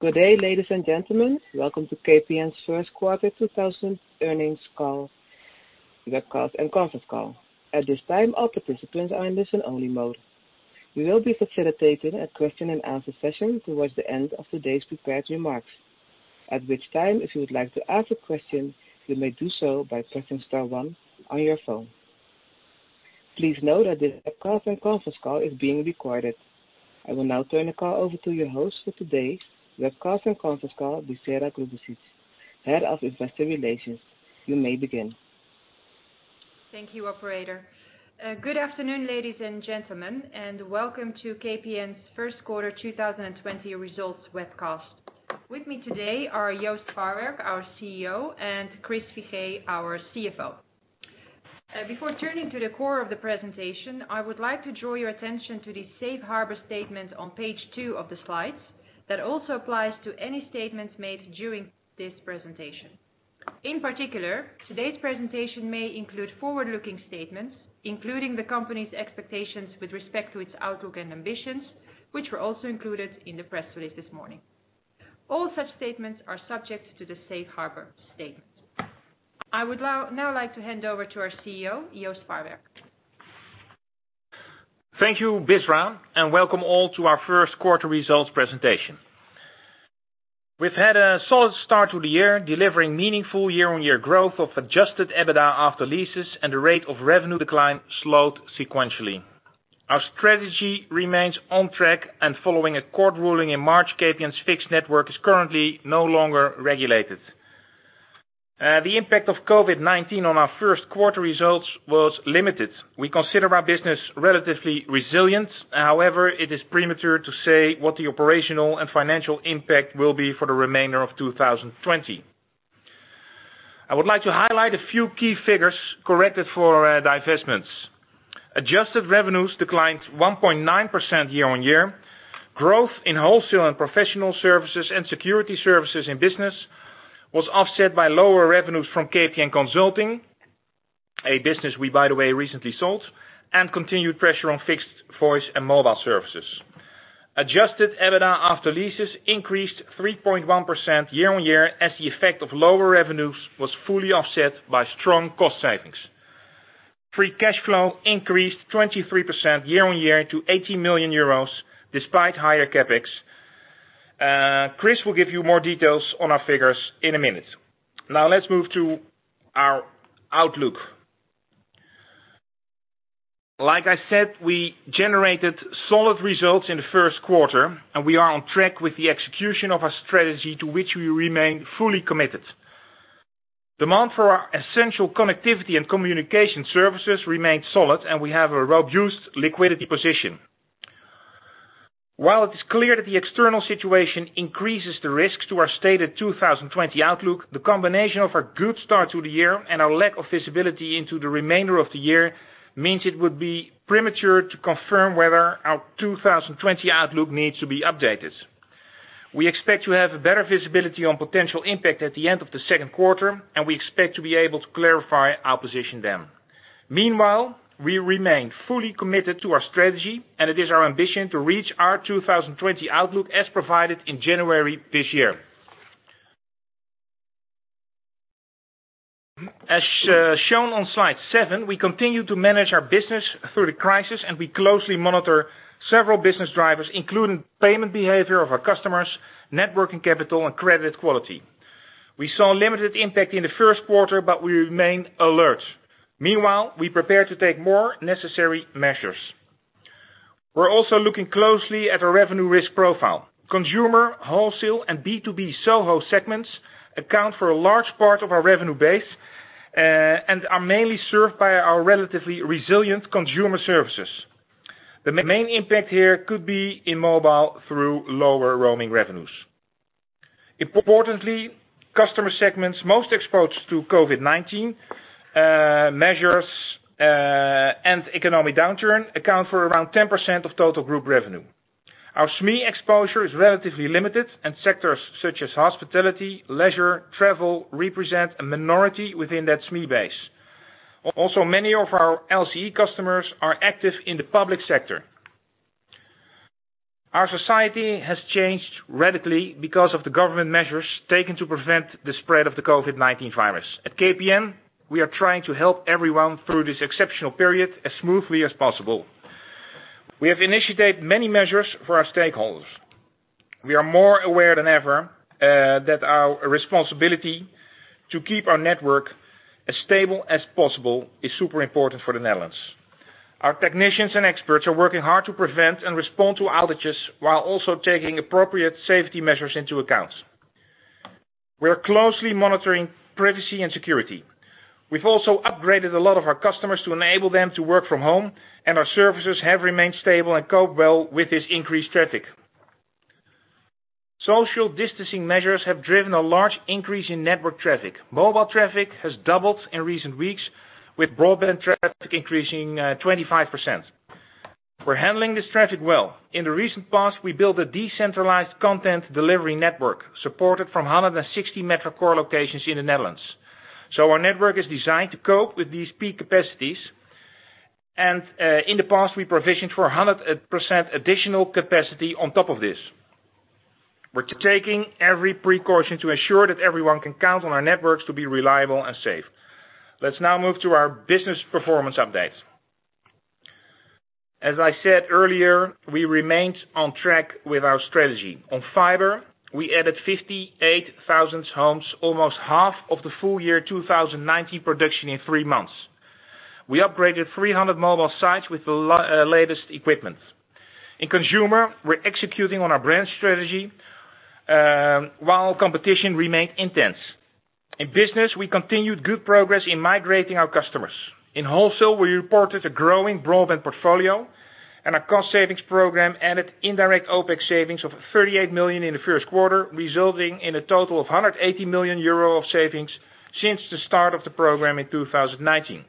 Good day, ladies and gentlemen. Welcome to KPN's first quarter 2020 earnings call, webcast, and conference call. At this time, all participants are in listen only mode. We will be facilitating a question and answer session towards the end of today's prepared remarks. At which time, if you would like to ask a question, you may do so by pressing star one on your phone. Please note that this webcast and conference call is being recorded. I will now turn the call over to your host for today's webcast and conference call, Bisera Grubesic, Head of Investor Relations. You may begin. Thank you, operator. Good afternoon, ladies and gentlemen, and welcome to KPN's first quarter 2020 results webcast. With me today are Joost Farwerck, our CEO, and Chris Figee, our CFO. Before turning to the core of the presentation, I would like to draw your attention to the safe harbor statement on page two of the slides, that also applies to any statements made during this presentation. In particular, today's presentation may include forward-looking statements, including the company's expectations with respect to its outlook and ambitions, which were also included in the press release this morning. All such statements are subject to the safe harbor statement. I would now like to hand over to our CEO, Joost Farwerck. Thank you, Bisera, and welcome all to our first quarter results presentation. We've had a solid start to the year, delivering meaningful year-on-year growth of adjusted EBITDA after leases and the rate of revenue decline slowed sequentially. Our strategy remains on track and following a court ruling in March, KPN's fixed network is currently no longer regulated. The impact of COVID-19 on our first quarter results was limited. We consider our business relatively resilient. However, it is premature to say what the operational and financial impact will be for the remainder of 2020. I would like to highlight a few key figures corrected for divestments. Adjusted revenues declined 1.9% year-on-year. Growth in wholesale and professional services and security services in business was offset by lower revenues from KPN Consulting, a business we, by the way, recently sold, and continued pressure on fixed voice and mobile services. Adjusted EBITDA after leases increased 3.1% year-on-year as the effect of lower revenues was fully offset by strong cost savings. Free cash flow increased 23% year-on-year to 80 million euros despite higher CapEx. Chris will give you more details on our figures in a minute. Let's move to our outlook. Like I said, we generated solid results in the first quarter, and we are on track with the execution of our strategy to which we remain fully committed. Demand for our essential connectivity and communication services remained solid, and we have a robust liquidity position. While it is clear that the external situation increases the risks to our stated 2020 outlook, the combination of a good start to the year and our lack of visibility into the remainder of the year means it would be premature to confirm whether our 2020 outlook needs to be updated. We expect to have a better visibility on potential impact at the end of the second quarter, and we expect to be able to clarify our position then. Meanwhile, we remain fully committed to our strategy, and it is our ambition to reach our 2020 outlook as provided in January this year. As shown on slide seven, we continue to manage our business through the crisis, and we closely monitor several business drivers, including payment behavior of our customers, net working capital, and credit quality. We saw limited impact in the first quarter, but we remain alert. Meanwhile, we prepare to take more necessary measures. We are also looking closely at our revenue risk profile. Consumer, wholesale, and B2B SOHO segments account for a large part of our revenue base, and are mainly served by our relatively resilient consumer services. The main impact here could be in mobile through lower roaming revenues. Importantly, customer segments most exposed to COVID-19 measures and economic downturn account for around 10% of total group revenue. Our SME exposure is relatively limited and sectors such as hospitality, leisure, travel, represent a minority within that SME base. Also, many of our LCE customers are active in the public sector. Our society has changed radically because of the government measures taken to prevent the spread of the COVID-19 virus. At KPN, we are trying to help everyone through this exceptional period as smoothly as possible. We have initiated many measures for our stakeholders. We are more aware than ever that our responsibility to keep our network as stable as possible is super important for the Netherlands. Our technicians and experts are working hard to prevent and respond to outages while also taking appropriate safety measures into account. We're closely monitoring privacy and security. We've also upgraded a lot of our customers to enable them to work from home, and our services have remained stable and cope well with this increased traffic. Social distancing measures have driven a large increase in network traffic. Mobile traffic has doubled in recent weeks with broadband traffic increasing 25%. We're handling this traffic well. In the recent past, we built a decentralized content delivery network supported from 160 metro core locations in the Netherlands. Our network is designed to cope with these peak capacities. In the past we provisioned for 100% additional capacity on top of this. We're taking every precaution to ensure that everyone can count on our networks to be reliable and safe. Let's now move to our business performance update. As I said earlier, we remained on track with our strategy. On fiber, we added 58,000 homes, almost half of the full year 2019 production in three months. We upgraded 300 mobile sites with the latest equipment. In consumer, we're executing on our brand strategy, while competition remained intense. In business, we continued good progress in migrating our customers. In wholesale, we reported a growing broadband portfolio, and our cost savings program added indirect OpEx savings of 38 million in the first quarter, resulting in a total of 180 million euro of savings since the start of the program in 2019.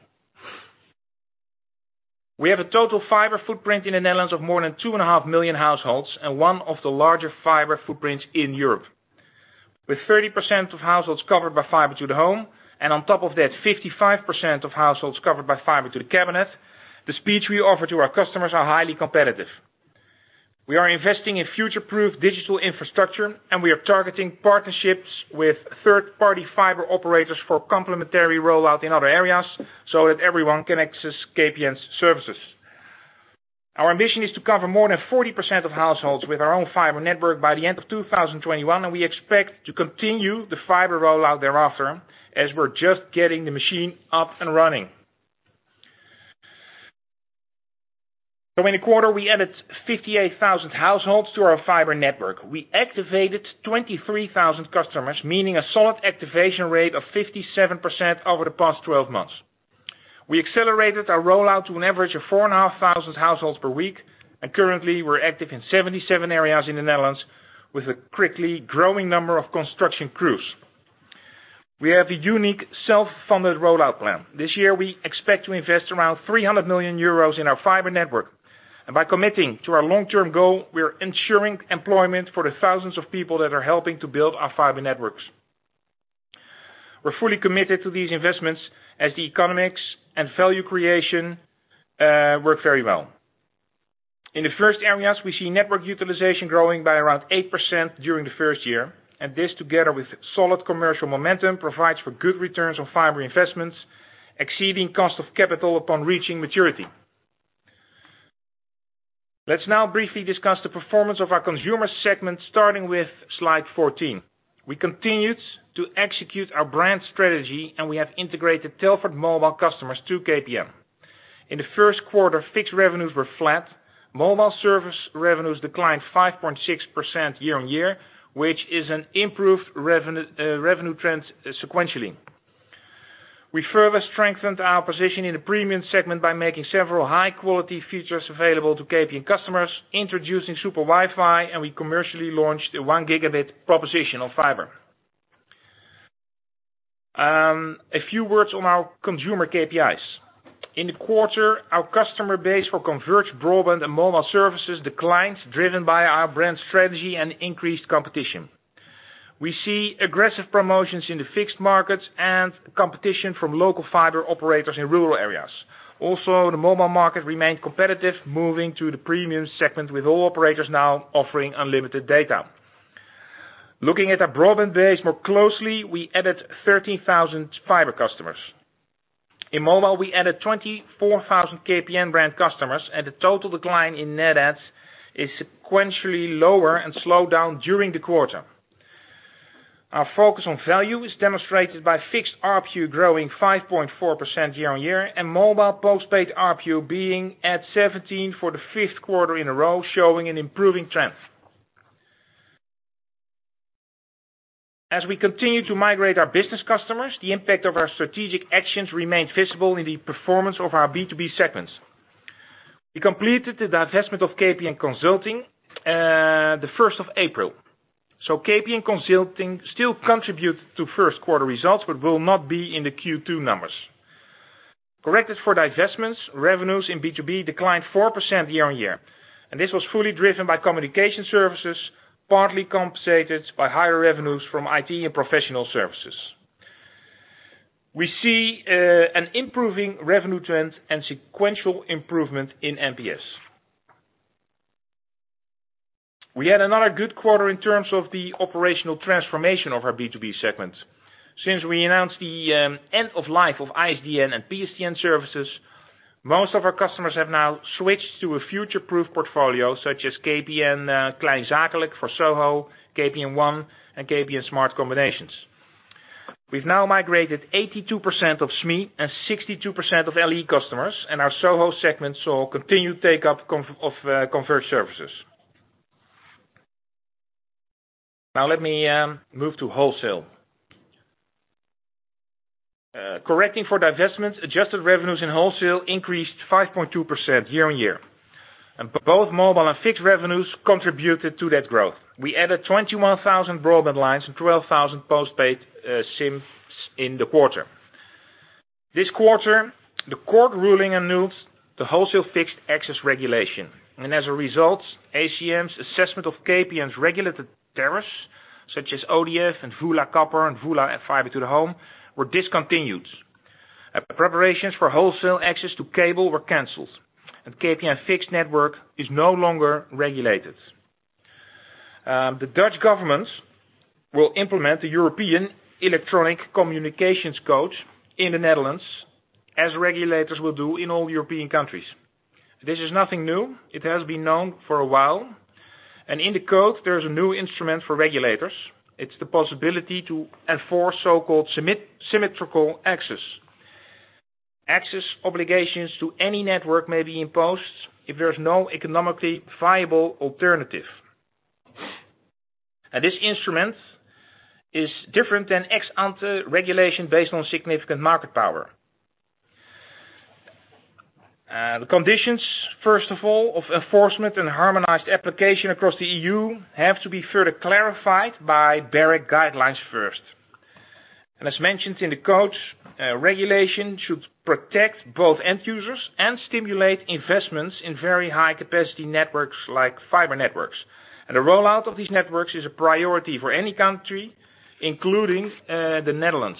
We have a total fiber footprint in the Netherlands of more than two and a half million households, and one of the larger fiber footprints in Europe. With 30% of households covered by fiber to the home, and on top of that, 55% of households covered by fiber to the cabinet, the speeds we offer to our customers are highly competitive. We are investing in future-proof digital infrastructure, and we are targeting partnerships with third-party fiber operators for complementary rollout in other areas so that everyone can access KPN services. Our ambition is to cover more than 40% of households with our own fiber network by the end of 2021, and we expect to continue the fiber rollout thereafter as we're just getting the machine up and running. In the quarter, we added 58,000 households to our fiber network. We activated 23,000 customers, meaning a solid activation rate of 57% over the past 12 months. We accelerated our rollout to an average of 4,500 households per week. Currently, we're active in 77 areas in the Netherlands with a quickly growing number of construction crews. We have a unique self-funded rollout plan. This year, we expect to invest around 300 million euros in our fiber network. By committing to our long-term goal, we're ensuring employment for the thousands of people that are helping to build our fiber networks. We're fully committed to these investments as the economics and value creation work very well. In the first areas, we see network utilization growing by around 8% during the first year. This together with solid commercial momentum provides for good returns on fiber investments, exceeding cost of capital upon reaching maturity. Let's now briefly discuss the performance of our consumer segment, starting with slide 14. We continued to execute our brand strategy, and we have integrated Telfort mobile customers to KPN. In the first quarter, fixed revenues were flat. Mobile service revenues declined 5.6% year-on-year, which is an improved revenue trend sequentially. We further strengthened our position in the premium segment by making several high-quality features available to KPN customers, introducing SuperWiFi, and we commercially launched a one gigabit proposition on fiber. A few words on our consumer KPIs. In the quarter, our customer base for converged broadband and mobile services declined, driven by our brand strategy and increased competition. We see aggressive promotions in the fixed markets and competition from local fiber operators in rural areas. Also, the mobile market remained competitive, moving to the premium segment with all operators now offering unlimited data. Looking at our broadband base more closely, we added 13,000 fiber customers. In mobile, we added 24,000 KPN brand customers and the total decline in net adds is sequentially lower and slowed down during the quarter. Our focus on value is demonstrated by fixed ARPU growing 5.4% year-on-year, and mobile postpaid ARPU being at 17 for the fifth quarter in a row, showing an improving trend. As we continue to migrate our business customers, the impact of our strategic actions remained visible in the performance of our B2B segments. We completed the divestment of KPN Consulting the 1st of April. KPN Consulting still contributes to first quarter results, but will not be in the Q2 numbers. Corrected for divestments, revenues in B2B declined 4% year-on-year, and this was fully driven by communication services, partly compensated by higher revenues from IT and professional services. We see an improving revenue trend and sequential improvement in MPS. We had another good quarter in terms of the operational transformation of our B2B segment. Since we announced the end of life of ISDN and PSTN services, most of our customers have now switched to a future-proof portfolio such as KPN Kleinzakelijk for SOHO, KPN One, and KPN Smart Combinations. We've now migrated 82% of SME and 62% of LE customers, and our SOHO segment saw continued take-up of converged services. Now let me move to wholesale. Correcting for divestments, adjusted revenues in wholesale increased 5.2% year on year. Both mobile and fixed revenues contributed to that growth. We added 21,000 broadband lines and 12,000 postpaid SIMs in the quarter. This quarter, the court ruling annulled the wholesale fixed access regulation, and as a result, ACM's regulated tariffs, such as ODF and VULA copper and VULA fiber to the home were discontinued. Preparations for wholesale access to cable were canceled, and KPN fixed network is no longer regulated. The Dutch government will implement the European Electronic Communications Code in the Netherlands, as regulators will do in all European countries. This is nothing new. It has been known for a while. In the code, there is a new instrument for regulators. It's the possibility to enforce so-called symmetrical access. Access obligations to any network may be imposed if there's no economically viable alternative. This instrument is different than ex ante regulation based on significant market power. The conditions, first of all, of enforcement and harmonized application across the EU, have to be further clarified by BEREC guidelines first. As mentioned in the codes, regulation should protect both end users and stimulate investments in very high capacity networks like fiber networks. The rollout of these networks is a priority for any country, including the Netherlands.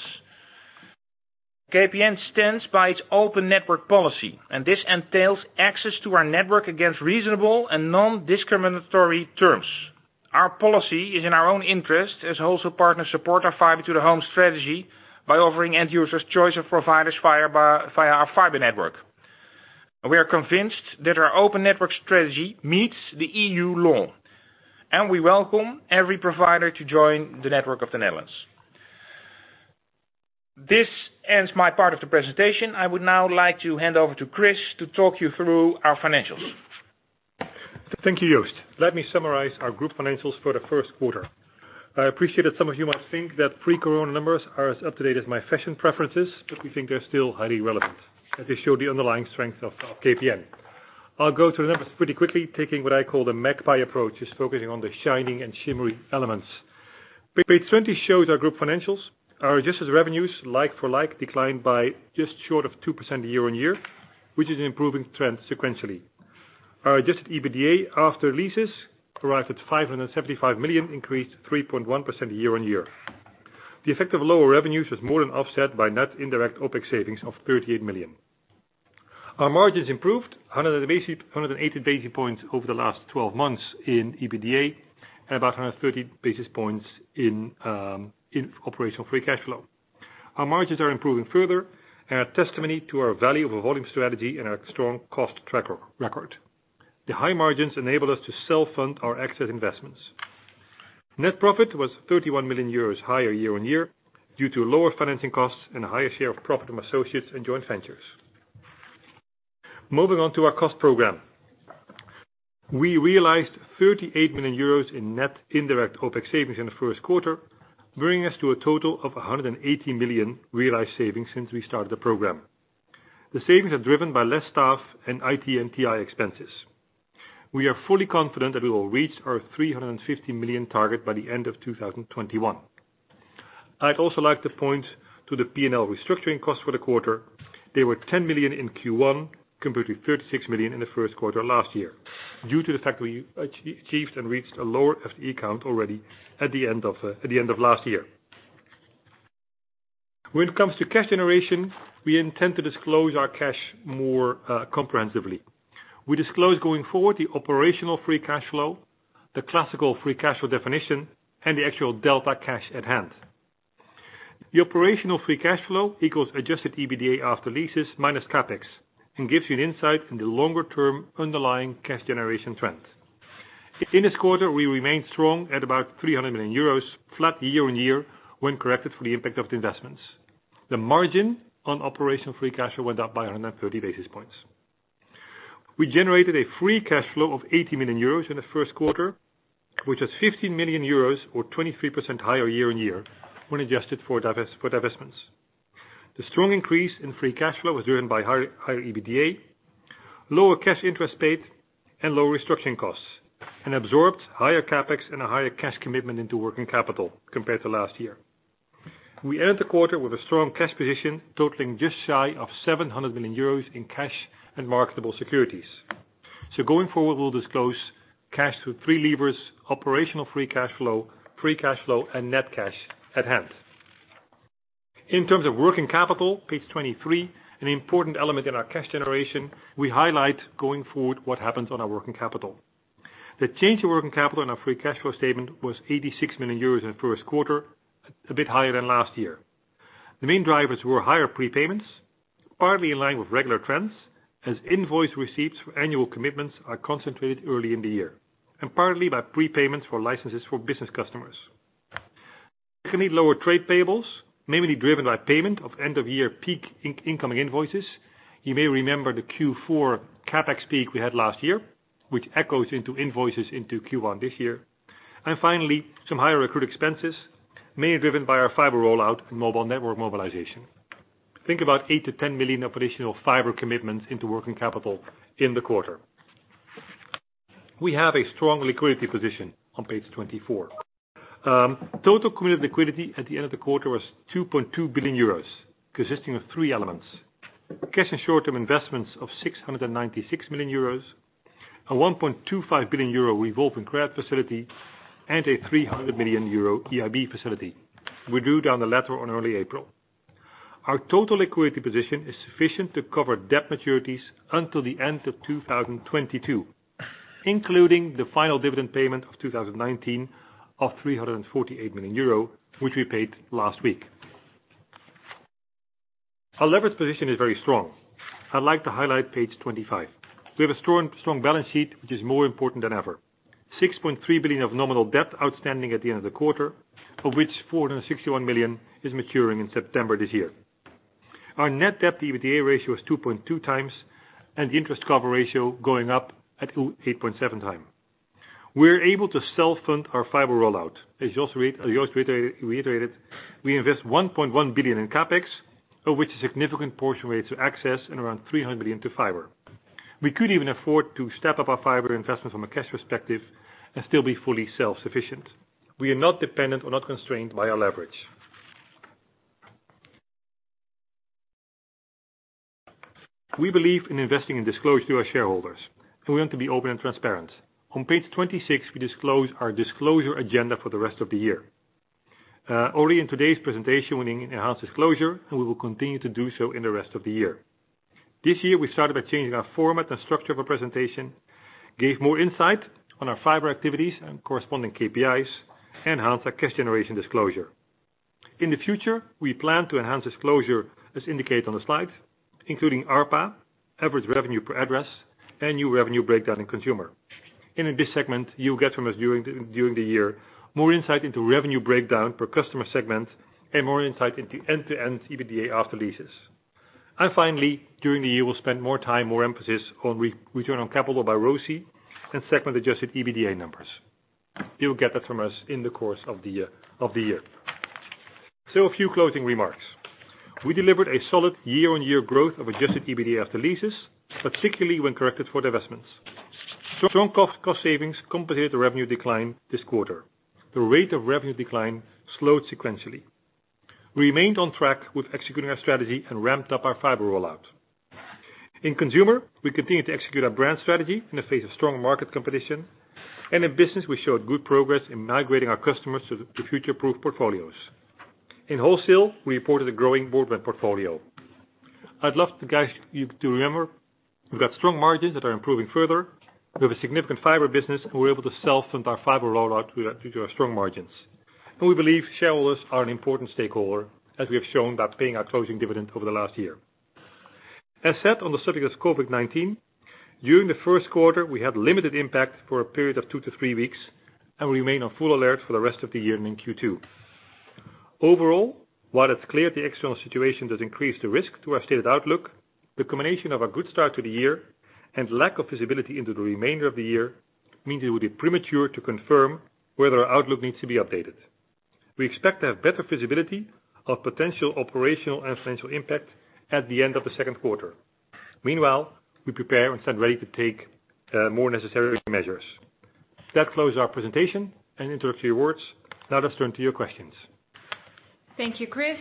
KPN stands by its open network policy, and this entails access to our network against reasonable and non-discriminatory terms. Our policy is in our own interest as wholesale partners support our fiber to the home strategy by offering end users choice of providers via our fiber network. We are convinced that our open network strategy meets the EU law, and we welcome every provider to join the network of the Netherlands. This ends my part of the presentation. I would now like to hand over to Chris to talk you through our financials. Thank you, Joost. Let me summarize our group financials for the first quarter. I appreciate that some of you must think that pre-COVID-19 numbers are as up to date as my fashion preferences, We think they're still highly relevant as they show the underlying strength of KPN. I'll go through the numbers pretty quickly, taking what I call the magpie approach, just focusing on the shining and shimmery elements. Page 20 shows our group financials. Our adjusted revenues like for like declined by just short of 2% year-on-year, which is an improving trend sequentially. Our adjusted EBITDA after leases arrived at 575 million, increased 3.1% year-on-year. The effect of lower revenues was more than offset by net indirect OpEx savings of 38 million. Our margins improved 180 basis points over the last 12 months in EBITDA and about 130 basis points in operational free cash flow. Our margins are improving further and are testimony to our value over volume strategy and our strong cost tracker record. The high margins enable us to self-fund our exit investments. Net profit was 31 million euros higher year on year due to lower financing costs and a higher share of profit from associates and joint ventures. Moving on to our cost program. We realized 38 million euros in net indirect OpEx savings in the first quarter, bringing us to a total of 180 million realized savings since we started the program. The savings are driven by less staff and IT and TI expenses. We are fully confident that we will reach our 350 million target by the end of 2021. I'd also like to point to the P&L restructuring cost for the quarter. They were 10 million in Q1, compared to 36 million in the first quarter last year, due to the fact that we achieved and reached a lower FTE count already at the end of last year. When it comes to cash generation, we intend to disclose our cash more comprehensively. We disclose going forward the operational free cash flow, the classical free cash flow definition, and the actual delta cash at hand. The operational free cash flow equals adjusted EBITDA after leases minus CapEx and gives you an insight into longer term underlying cash generation trends. In this quarter, we remained strong at about 300 million euros flat year-over-year when corrected for the impact of the investments. The margin on operational free cash flow went up by 130 basis points. We generated a free cash flow of 80 million euros in the first quarter, which is 15 million euros or 23% higher year-on-year when adjusted for divestments. The strong increase in free cash flow was driven by higher EBITDA, lower cash interest paid, and lower restructuring costs, and absorbed higher CapEx and a higher cash commitment into working capital compared to last year. We ended the quarter with a strong cash position totaling just shy of 700 million euros in cash and marketable securities. Going forward, we'll disclose cash through three levers, operational free cash flow, free cash flow, and net cash at hand. In terms of working capital, page 23, an important element in our cash generation, we highlight going forward what happens on our working capital. The change in working capital in our free cash flow statement was 86 million euros in the first quarter, a bit higher than last year. The main drivers were higher prepayments, partly in line with regular trends, as invoice receipts for annual commitments are concentrated early in the year, and partly by prepayments for licenses for business customers. We can meet lower trade payables, mainly driven by payment of end-of-year peak incoming invoices. You may remember the Q4 CapEx peak we had last year, which echoes into invoices into Q1 this year. Finally, some higher accrued expenses, mainly driven by our fiber rollout and mobile network mobilization. Think about 8 million-10 million of additional fiber commitments into working capital in the quarter. We have a strong liquidity position on page 24. Total cumulative liquidity at the end of the quarter was 2.2 billion euros, consisting of three elements. Cash and short-term investments of 696 million euros, a 1.25 billion euro revolving credit facility, and a 300 million euro EIB facility. We drew down the latter on early April. Our total liquidity position is sufficient to cover debt maturities until the end of 2022, including the final dividend payment of 2019 of 348 million euro, which we paid last week. Our leverage position is very strong. I'd like to highlight page 25. We have a strong balance sheet, which is more important than ever. 6.3 billion of nominal debt outstanding at the end of the quarter, of which 461 million is maturing in September this year. Our net debt to EBITDA ratio is 2.2x, and the interest cover ratio going up at 8.7x. We're able to self-fund our fiber rollout. As Joost reiterated, we invest 1.1 billion in CapEx, of which a significant portion related to access and around 300 million to fiber. We could even afford to step up our fiber investment from a cash perspective and still be fully self-sufficient. We are not dependent or not constrained by our leverage. We believe in investing in disclosure to our shareholders, and we want to be open and transparent. On page 26, we disclose our disclosure agenda for the rest of the year. Only in today's presentation we enhanced disclosure, and we will continue to do so in the rest of the year. This year, we started by changing our format and structure of our presentation, gave more insight on our fiber activities and corresponding KPIs, and enhanced our cash generation disclosure. In the future, we plan to enhance disclosure as indicated on the slide, including ARPA, average revenue per address, and new revenue breakdown in consumer. In this segment, you'll get from us during the year more insight into revenue breakdown per customer segment and more insight into end-to-end EBITDA after leases. Finally, during the year, we'll spend more time, more emphasis on return on capital by ROIC and segment-adjusted EBITDA numbers. You'll get that from us in the course of the year. A few closing remarks. We delivered a solid year-on-year growth of adjusted EBITDA after leases, particularly when corrected for divestments. Strong cost savings compensated the revenue decline this quarter. The rate of revenue decline slowed sequentially. We remained on track with executing our strategy and ramped up our fiber rollout. In consumer, we continued to execute our brand strategy in the face of strong market competition. In business, we showed good progress in migrating our customers to future proof portfolios. In wholesale, we reported a growing broadband portfolio. I'd love you to remember, we've got strong margins that are improving further. We have a significant fiber business, and we're able to self-fund our fiber rollout due to our strong margins. We believe shareholders are an important stakeholder, as we have shown by paying our closing dividend over the last year. As said on the subject of COVID-19, during the first quarter, we had limited impact for a period of two to three weeks and remain on full alert for the rest of the year and in Q2. Overall, while it's clear the external situation does increase the risk to our stated outlook, the combination of a good start to the year and lack of visibility into the remainder of the year means it would be premature to confirm whether our outlook needs to be updated. We expect to have better visibility of potential operational and financial impact at the end of the second quarter. Meanwhile, we prepare and stand ready to take more necessary measures. That closes our presentation and introductory words. Now let's turn to your questions. Thank you, Chris.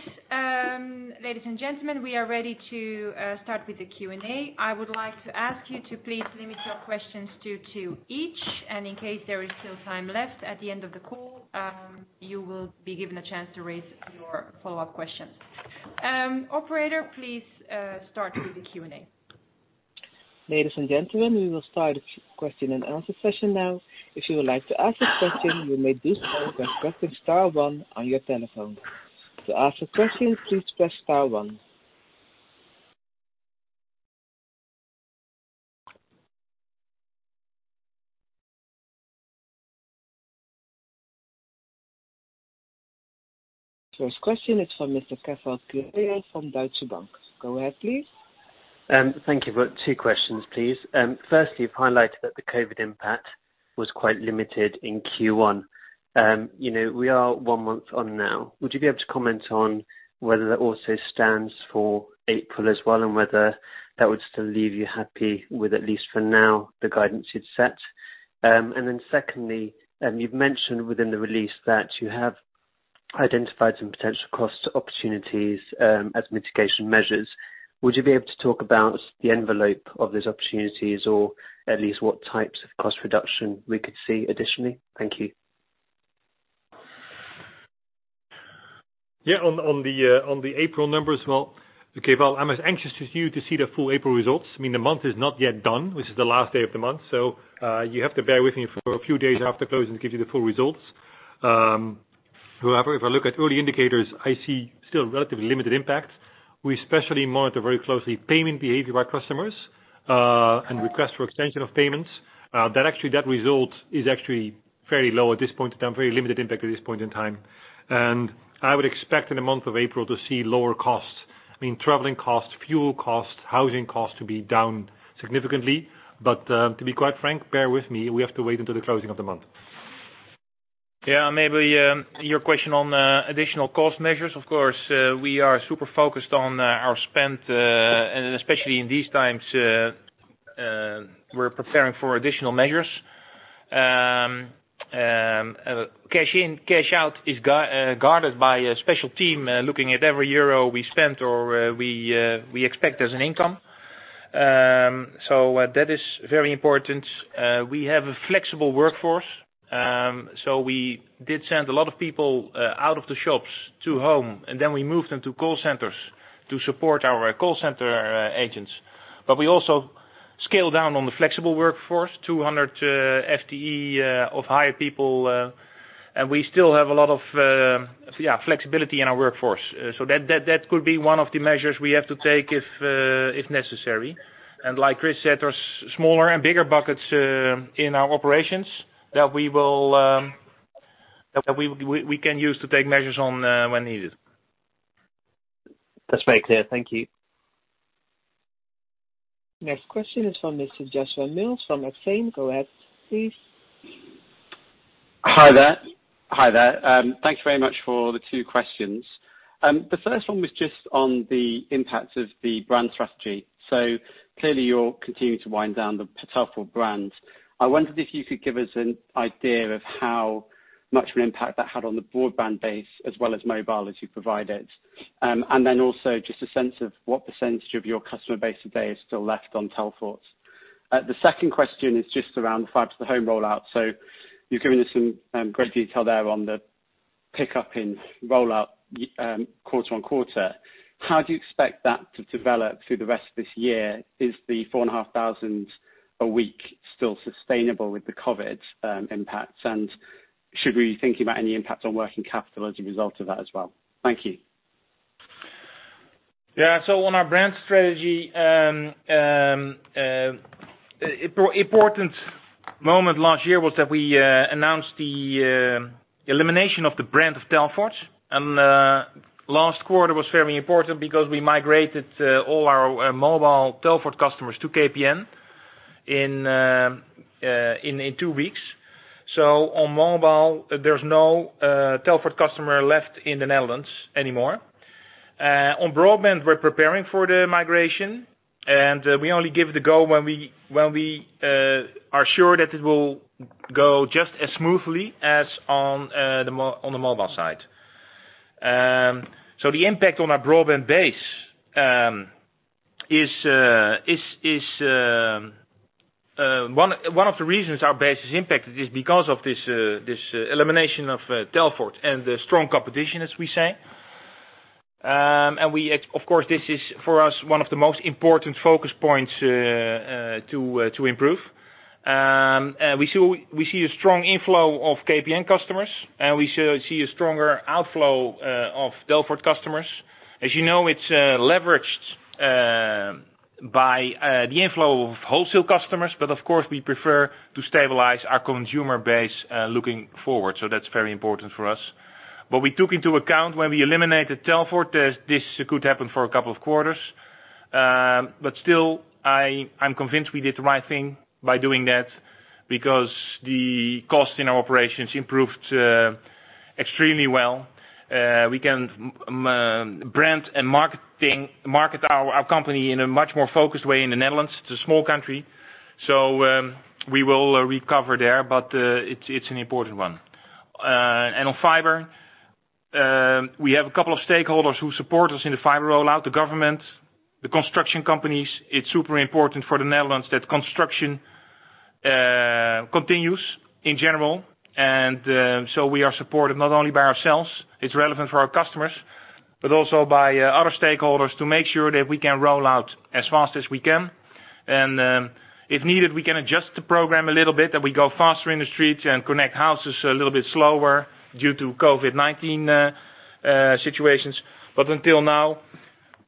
Ladies and gentlemen, we are ready to start with the Q&A. I would like to ask you to please limit your questions due to each, in case there is still time left at the end of the call, you will be given a chance to raise your follow-up questions. Operator, please start with the Q&A. Ladies and gentlemen, we will start a question and answer session now. If you would like to ask a question, you may do so by pressing star one on your telephone. To ask a question, please press star one. First question is from Mr. Cathal Creagh from Deutsche Bank. Go ahead, please. Thank you. Two questions, please. Firstly, you've highlighted that the COVID impact was quite limited in Q1. We are one month on now. Would you be able to comment on whether that also stands for April as well, and whether that would still leave you happy with, at least for now, the guidance you'd set? Secondly, you've mentioned within the release that you have identified some potential cost opportunities as mitigation measures. Would you be able to talk about the envelope of those opportunities or at least what types of cost reduction we could see additionally? Thank you. Yeah. On the April numbers. Well, okay, well, I'm as anxious as you to see the full April results. I mean, the month is not yet done. This is the last day of the month. You have to bear with me for a few days after closing to give you the full results. If I look at early indicators, I see still relatively limited impact. We especially monitor very closely payment behavior by customers, and request for extension of payments. That result is actually fairly low at this point in time, very limited impact at this point in time. I would expect in the month of April to see lower costs. I mean, traveling costs, fuel costs, housing costs to be down significantly. To be quite frank, bear with me. We have to wait until the closing of the month. Maybe your question on additional cost measures. Of course, we are super focused on our spend, especially in these times. We're preparing for additional measures. Cash in, cash out is guarded by a special team looking at every euro we spent or we expect as an income. That is very important. We have a flexible workforce. We did send a lot of people out of the shops to home, then we moved them to call centers to support our call center agents. We also scaled down on the flexible workforce, 200 FTE of hired people. We still have a lot of flexibility in our workforce. That could be one of the measures we have to take if necessary. Like Chris said, there's smaller and bigger buckets in our operations that we can use to take measures on when needed. That's very clear. Thank you. Next question is from Mr. Joshua Mills from Exane. Go ahead, please. Hi there. Thank you very much for the two questions. The first one was just on the impact of the brand strategy. Clearly you're continuing to wind down the Telfort brand. I wondered if you could give us an idea of how much of an impact that had on the broadband base as well as mobile as you provide it. Also just a sense of what percent of your customer base today is still left on Telfort. The second question is just around the fiber to the home rollout. You're giving us some great detail there on the pickup in rollout quarter-on-quarter. How do you expect that to develop through the rest of this year? Is the 4,500 a week still sustainable with the COVID impacts? Should we be thinking about any impact on working capital as a result of that as well? Thank you. Yeah. On our brand strategy, important moment last year was that we announced the elimination of the brand of Telfort. Last quarter was very important because we migrated all our mobile Telfort customers to KPN in two weeks. On mobile, there's no Telfort customer left in the Netherlands anymore. On broadband, we're preparing for the migration, and we only give the go when we are sure that it will go just as smoothly as on the mobile side. The impact on our broadband base, one of the reasons our base is impacted is because of this elimination of Telfort and the strong competition, as we say. Of course, this is, for us, one of the most important focus points to improve. We see a strong inflow of KPN customers, and we see a stronger outflow of Telfort customers. As you know, it's leveraged by the inflow of wholesale customers. Of course, we prefer to stabilize our consumer base looking forward. That's very important for us. We took into account when we eliminated Telfort, this could happen for a couple of quarters. Still, I'm convinced we did the right thing by doing that because the cost in our operations improved extremely well. We can brand and market our company in a much more focused way in the Netherlands. It's a small country. We will recover there, but it's an important one. On fiber, we have a couple of stakeholders who support us in the fiber rollout, the government, the construction companies. It's super important for the Netherlands that construction continues in general. We are supported not only by ourselves, it's relevant for our customers, but also by other stakeholders to make sure that we can roll out as fast as we can. If needed, we can adjust the program a little bit, that we go faster in the streets and connect houses a little bit slower due to COVID-19 situations. Until now,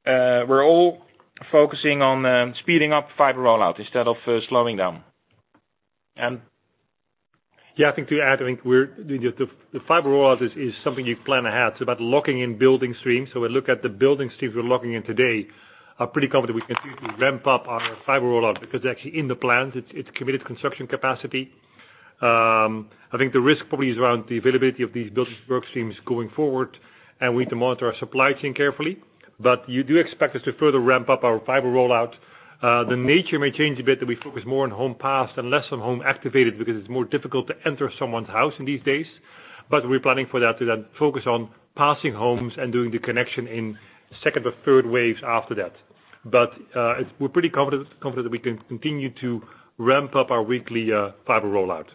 we're all focusing on speeding up fiber rollout instead of slowing down. Yeah, I think to add, I think the fiber rollout is something you plan ahead. It's about locking in building streams. We look at the building streams we're locking in today. We are pretty confident we can continue to ramp up our fiber rollout because actually in the plans, it's committed construction capacity. I think the risk probably is around the availability of these building work streams going forward, and we need to monitor our supply chain carefully. You do expect us to further ramp up our fiber rollout. The nature may change a bit, that we focus more on home passed and less on home activated because it's more difficult to enter someone's house in these days. We're planning for that to then focus on passing homes and doing the connection in second or third waves after that. We're pretty confident that we can continue to ramp up our weekly fiber rollout.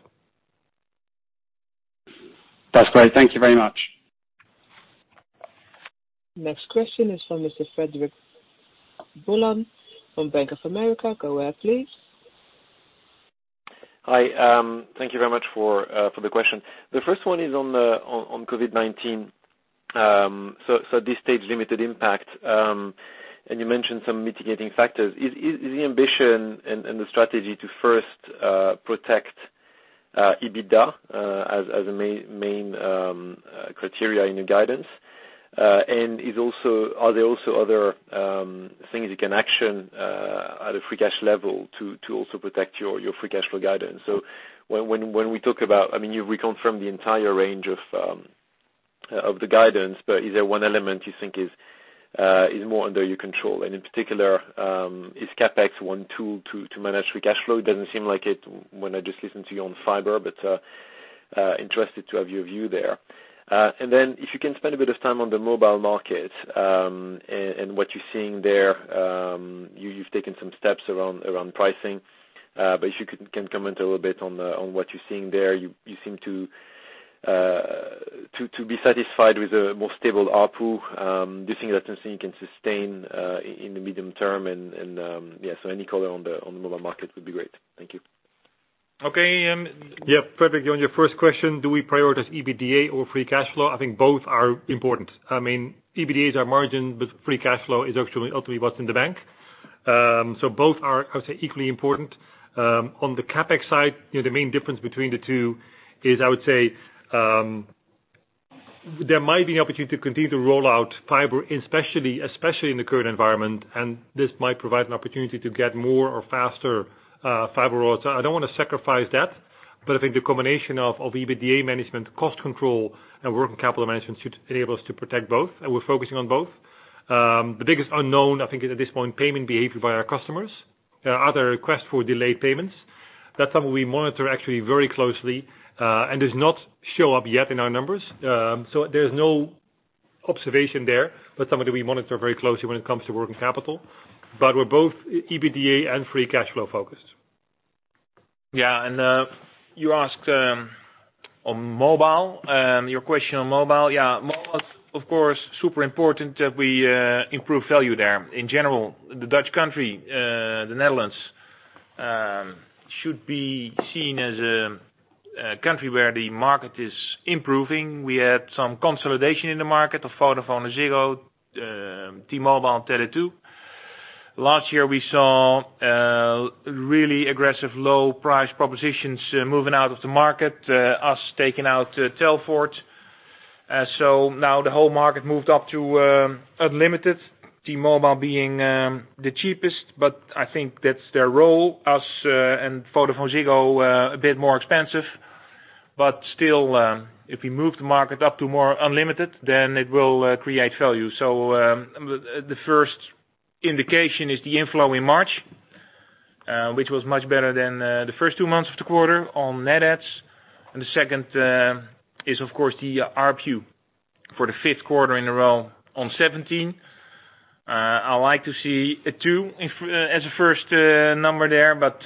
That's great. Thank you very much. Next question is from Mr. Frederic Boulan from Bank of America. Go ahead, please. Hi. Thank you very much for the question. The first one is on COVID-19. At this stage, limited impact. You mentioned some mitigating factors. Is the ambition and the strategy to first protect EBITDA as a main criteria in your guidance? Are there also other things you can action at a free cash level to also protect your free cash flow guidance? When we talk about, you've reconfirmed the entire range of the guidance, but is there one element you think is more under your control? In particular, is CapEx one tool to manage free cash flow? It doesn't seem like it when I just listen to you on fiber, but interested to have your view there. Then if you can spend a bit of time on the mobile market, and what you're seeing there. You've taken some steps around pricing, but if you can comment a little bit on what you're seeing there. You seem to be satisfied with a more stable ARPU. Do you think that's something you can sustain, in the medium term? Any color on the mobile market would be great. Thank you. Okay. Frederic, on your first question, do we prioritize EBITDA or free cash flow? I think both are important. EBITDA is our margin, but free cash flow is actually ultimately what's in the bank. Both are, I would say, equally important. On the CapEx side, the main difference between the two is, I would say, there might be an opportunity to continue to roll out fiber, especially in the current environment, and this might provide an opportunity to get more or faster fiber rolls. I don't want to sacrifice that, I think the combination of EBITDA management, cost control, and working capital management should enable us to protect both, and we're focusing on both. The biggest unknown, I think, at this point, payment behavior by our customers. Are there requests for delayed payments? That's something we monitor actually very closely, and does not show up yet in our numbers. There's no observation there, but something we monitor very closely when it comes to working capital. We're both EBITDA and free cash flow focused. You asked on mobile, your question on mobile. Yeah, mobile, of course, super important that we improve value there. In general, the Dutch country, the Netherlands, should be seen as a country where the market is improving. We had some consolidation in the market of Vodafone, Ziggo, T-Mobile, and Tele2. Last year, we saw really aggressive low price propositions moving out of the market, us taking out Telfort. Now the whole market moved up to unlimited, T-Mobile being the cheapest, but I think that's their role. Us, VodafoneZiggo, a bit more expensive. Still, if we move the market up to more unlimited, then it will create value. The first indication is the inflow in March, which was much better than the first two months of the quarter on net adds. The second is, of course, the ARPU for the fifth quarter in a row on 17. I like to see a two as a first number there, but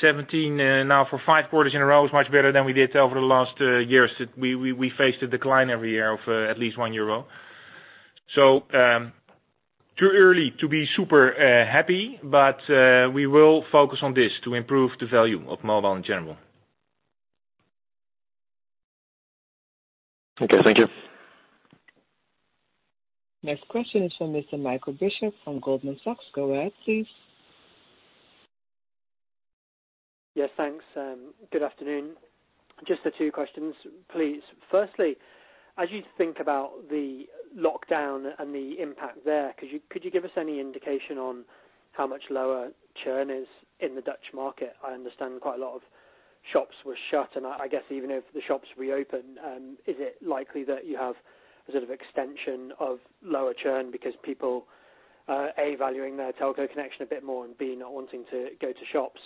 17 now for five quarters in a row is much better than we did over the last years. We faced a decline every year of at least one EUR. Too early to be super happy, but we will focus on this to improve the value of mobile in general. Okay. Thank you. Next question is from Mr. Michael Bishop from Goldman Sachs. Go ahead, please. Yeah. Thanks. Good afternoon. Just the two questions, please. Firstly, as you think about the lockdown and the impact there, could you give us any indication on how much lower churn is in the Dutch market? I understand quite a lot of shops were shut, and I guess even if the shops reopen, is it likely that you have a sort of extension of lower churn because people, A, valuing their telco connection a bit more, and B, not wanting to go to shops.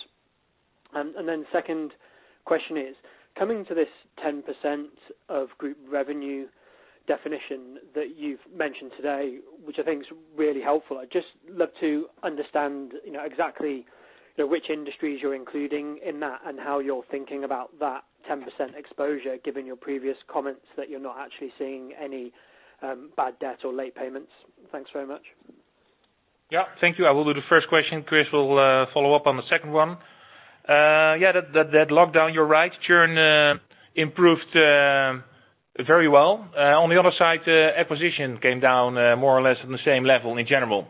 Second question is, coming to this 10% of group revenue definition that you've mentioned today, which I think is really helpful, I'd just love to understand exactly which industries you're including in that and how you're thinking about that 10% exposure, given your previous comments that you're not actually seeing any bad debt or late payments. Thanks very much. Yeah. Thank you. I will do the first question. Chris will follow up on the second one. Yeah, that lockdown, you're right. Churn improved very well. On the other side, acquisition came down more or less on the same level in general.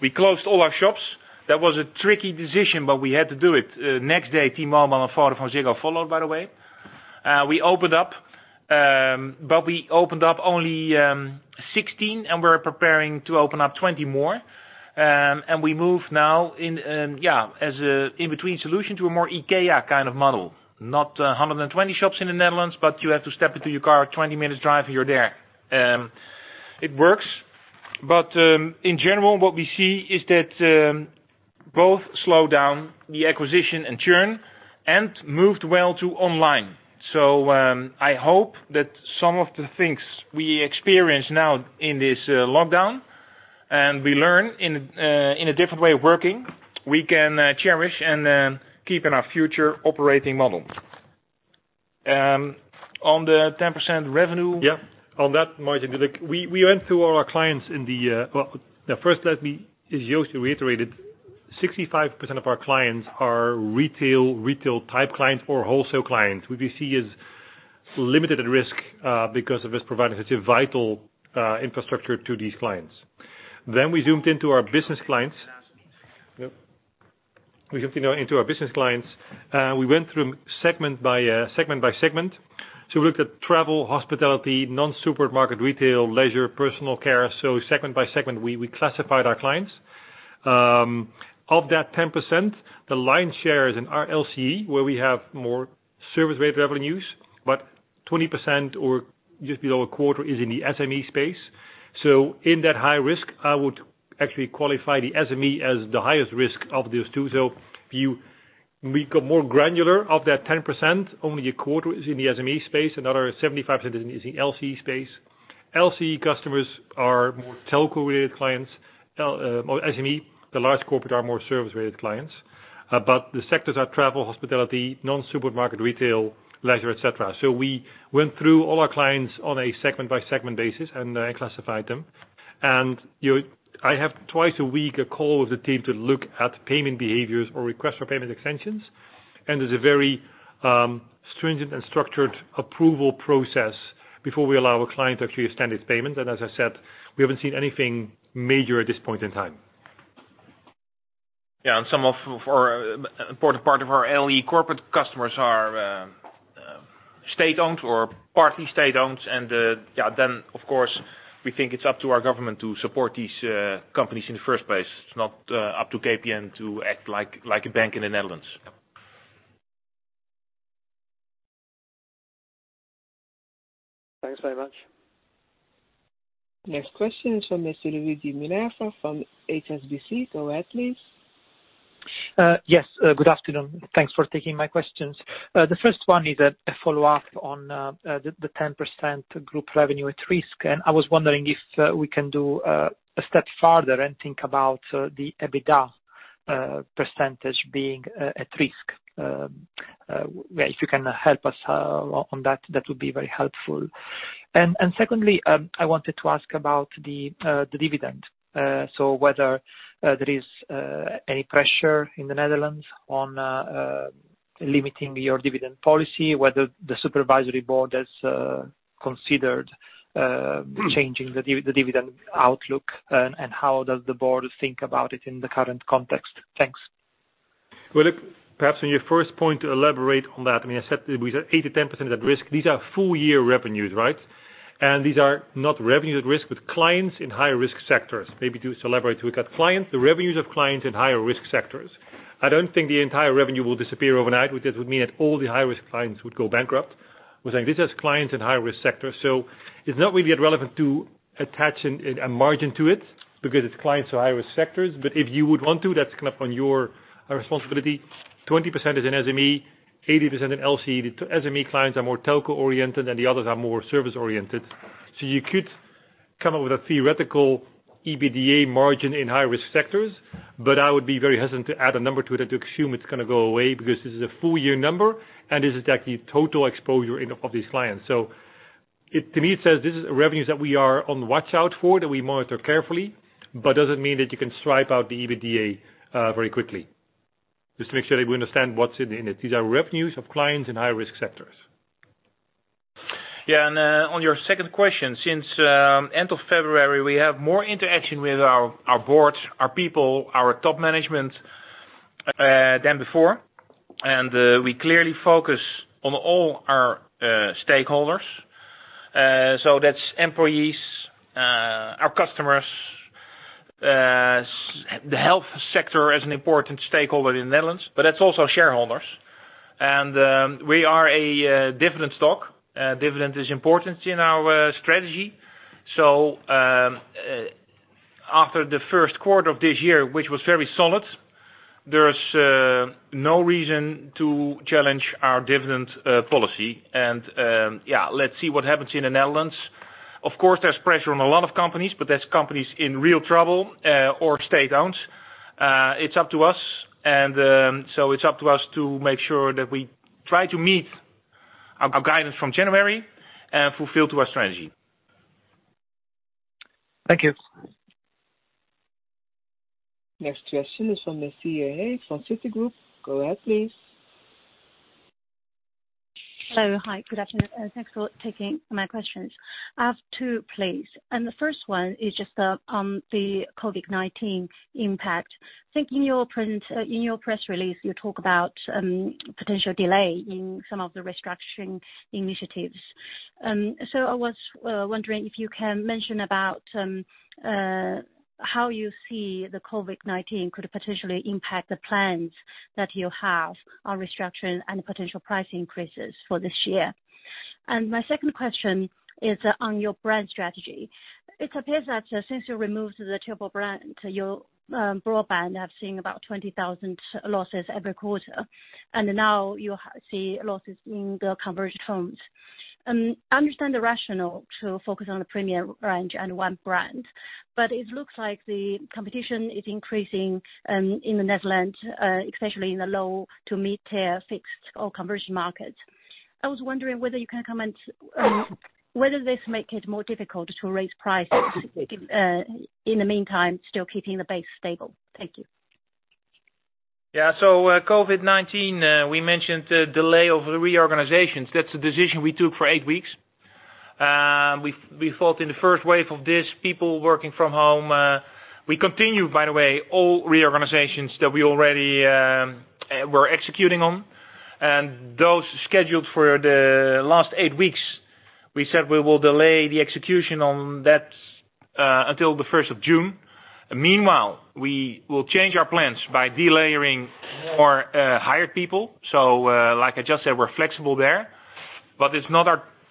We closed all our shops. That was a tricky decision, but we had to do it. Next day, T-Mobile and VodafoneZiggo followed, by the way. We opened up, but we opened up only 16, and we're preparing to open up 20 more. We move now in, yeah, as a in-between solution to a more IKEA kind of model. Not 120 shops in the Netherlands, but you have to step into your car, 20 minutes drive, you're there. It works. In general, what we see is that both slow down the acquisition and churn and moved well to online. I hope that some of the things we experience now in this lockdown, and we learn in a different way of working, we can cherish and keep in our future operating model. On the 10% revenue. On that margin, as Joost reiterated, 65% of our clients are retail type clients or wholesale clients, who we see as limited risk because of us providing such a vital infrastructure to these clients. We zoomed into our business clients. We went into our business clients. We went through segment by segment. We looked at travel, hospitality, non-supermarket retail, leisure, personal care. Segment by segment, we classified our clients. Of that 10%, the lion's share is in our LCE, where we have more service-based revenues, but 20% or just below a quarter is in the SME space. In that high risk, I would actually qualify the SME as the highest risk of those two. If you make a more granular of that 10%, only a quarter is in the SME space. Another 75% is in the LCE space. LCE customers are more telco-related clients. SME, the large corporate, are more service-related clients. The sectors are travel, hospitality, non-supermarket, retail, leisure, et cetera. We went through all our clients on a segment-by-segment basis and classified them. I have twice a week a call with the team to look at payment behaviors or requests for payment extensions. There's a very stringent and structured approval process before we allow a client to actually extend his payment. As I said, we haven't seen anything major at this point in time. Some of important part of our LCE corporate customers are state-owned or partly state-owned and then, of course, we think it's up to our government to support these companies in the first place. It's not up to KPN to act like a bank in the Netherlands. Yeah. Thanks very much. Next question is from Mr. Luigi Minerva from HSBC. Go ahead, please. Yes, good afternoon. Thanks for taking my questions. The first one is a follow-up on the 10% group revenue at risk. I was wondering if we can do a step further and think about the EBITDA percentage being at risk. If you can help us on that would be very helpful. Secondly, I wanted to ask about the dividend. Whether there is any pressure in the Netherlands on limiting your dividend policy, whether the Supervisory Board has considered changing the dividend outlook, and how does the board think about it in the current context? Thanks. Well, look, perhaps on your first point, to elaborate on that. We said 8%-10% at risk. These are full-year revenues, right? These are not revenues at risk, but clients in high-risk sectors. Maybe to elaborate, we've got the revenues of clients in higher risk sectors. I don't think the entire revenue will disappear overnight, because it would mean that all the high-risk clients would go bankrupt. We're saying this is clients in high-risk sectors. It's not really relevant to attach a margin to it because it's clients in high-risk sectors. If you would want to, that's on your responsibility. 20% is in SME, 80% in LCE. The SME clients are more telco oriented, and the others are more service oriented. You could come up with a theoretical EBITDA margin in high-risk sectors, but I would be very hesitant to add a number to it or to assume it's going to go away because this is a full year number, and this is actually total exposure of these clients. To me, it says this is revenues that we are on watch out for, that we monitor carefully, but doesn't mean that you can strip out the EBITDA very quickly. Just to make sure that we understand what's in it. These are revenues of clients in high-risk sectors. Yeah. On your second question, since end of February, we have more interaction with our boards, our people, our top management than before. We clearly focus on all our stakeholders. That's employees, our customers, the health sector as an important stakeholder in the Netherlands, but that's also shareholders. We are a dividend stock. Dividend is important in our strategy. After the first quarter of this year, which was very solid, there's no reason to challenge our dividend policy. Yeah, let's see what happens in the Netherlands. Of course, there's pressure on a lot of companies, but there's companies in real trouble or state-owned. It's up to us. It's up to us to make sure that we try to meet our guidance from January and fulfill to our strategy. Thank you. Next question is from Ms. Siyi He from Citigroup. Go ahead, please. Hello. Hi. Good afternoon. Thanks for taking my questions. I have two, please. The first one is just on the COVID-19 impact. Think in your press release, you talk about potential delay in some of the restructuring initiatives. I was wondering if you can mention about how you see the COVID-19 could potentially impact the plans that you have on restructuring and potential price increases for this year. My second question is on your brand strategy. It appears that since you removed the triple brand, your broadband, I've seen about 20,000 losses every quarter, and now you see losses in the conversion homes. I understand the rationale to focus on the premier range and one brand, but it looks like the competition is increasing in the Netherlands, especially in the low to mid-tier fixed or conversion markets. I was wondering whether you can comment whether this makes it more difficult to raise prices, in the meantime, still keeping the base stable. Thank you. COVID-19, we mentioned delay of the reorganizations. That's a decision we took for eight weeks. We thought in the first wave of this, people working from home. We continue, by the way, all reorganizations that we already were executing on. Those scheduled for the last eight weeks, we said we will delay the execution on that until the 1st of June. Meanwhile, we will change our plans by delayering more hired people. Like I just said, we're flexible there, but it's not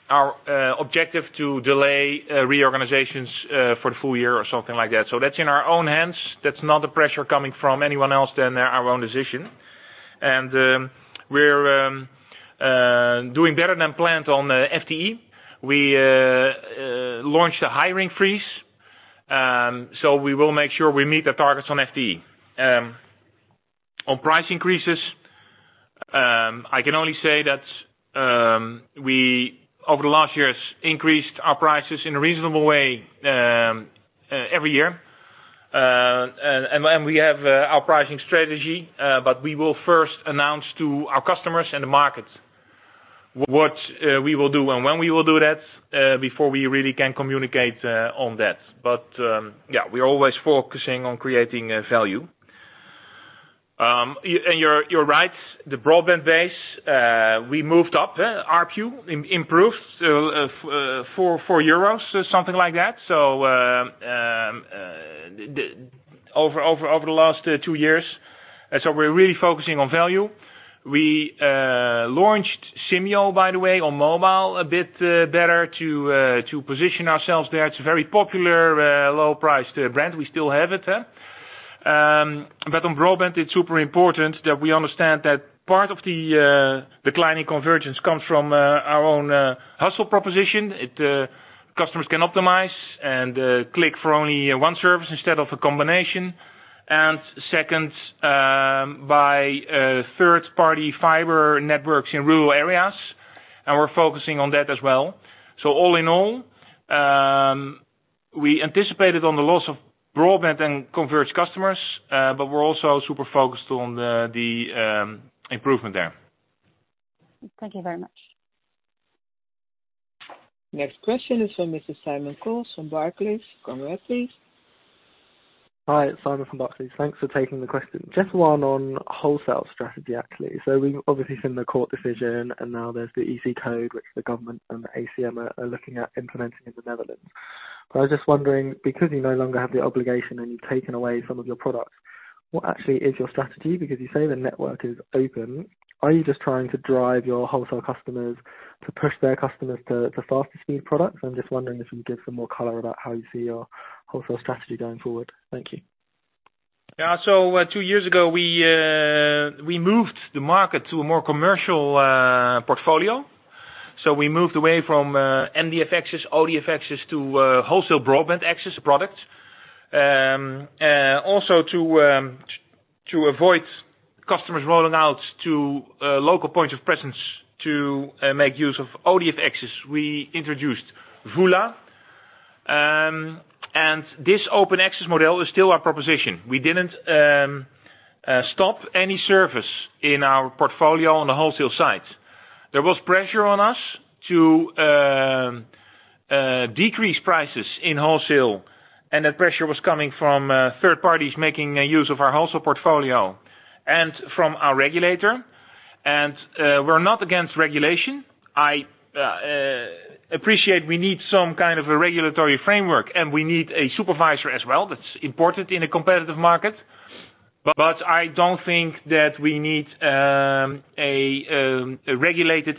our objective to delay reorganizations for the full year or something like that. That's in our own hands. That's not the pressure coming from anyone else than our own decision. We're doing better than planned on FTE. We launched a hiring freeze, so we will make sure we meet the targets on FTE. On price increases, I can only say that we, over the last years, increased our prices in a reasonable way every year. We have our pricing strategy, we will first announce to our customers and the market what we will do and when we will do that, before we really can communicate on that. Yeah, we're always focusing on creating value. You're right, the broadband base, we moved up. ARPU improved 4 euros, something like that, so over the last two years. We're really focusing on value. We launched Simyo, by the way, on mobile a bit better to position ourselves there. It's a very popular low-priced brand. We still have it. On broadband, it's super important that we understand that part of the declining convergence comes from our own Hussel proposition. IT customers can optimize and click for only one service instead of a combination. Second, by third-party fiber networks in rural areas, and we're focusing on that as well. All in all, we anticipated on the loss of broadband and converged customers, but we're also super focused on the improvement there. Thank you very much. Next question is from Mr. Simon Coles from Barclays. Go ahead, please. Hi, Simon from Barclays. Thanks for taking the question. Just one on wholesale strategy, actually. We've obviously seen the court decision, and now there's the EC Code, which the government and the ACM are looking at implementing in the Netherlands. I was just wondering, because you no longer have the obligation and you've taken away some of your products, what actually is your strategy? You say the network is open. Are you just trying to drive your wholesale customers to push their customers to faster speed products? I'm just wondering if you can give some more color about how you see your wholesale strategy going forward. Thank you. Yeah. Two years ago, we moved the market to a more commercial portfolio. We moved away from MDF access, ODF access to wholesale broadband access products. Also to avoid customers rolling out to local point of presence to make use of ODF access, we introduced VULA. This open access model is still our proposition. We didn't stop any service in our portfolio on the wholesale side. There was pressure on us to decrease prices in wholesale, and that pressure was coming from third parties making use of our wholesale portfolio and from our regulator. We're not against regulation. I appreciate we need some kind of a regulatory framework, and we need a supervisor as well. That's important in a competitive market. I don't think that we need a regulated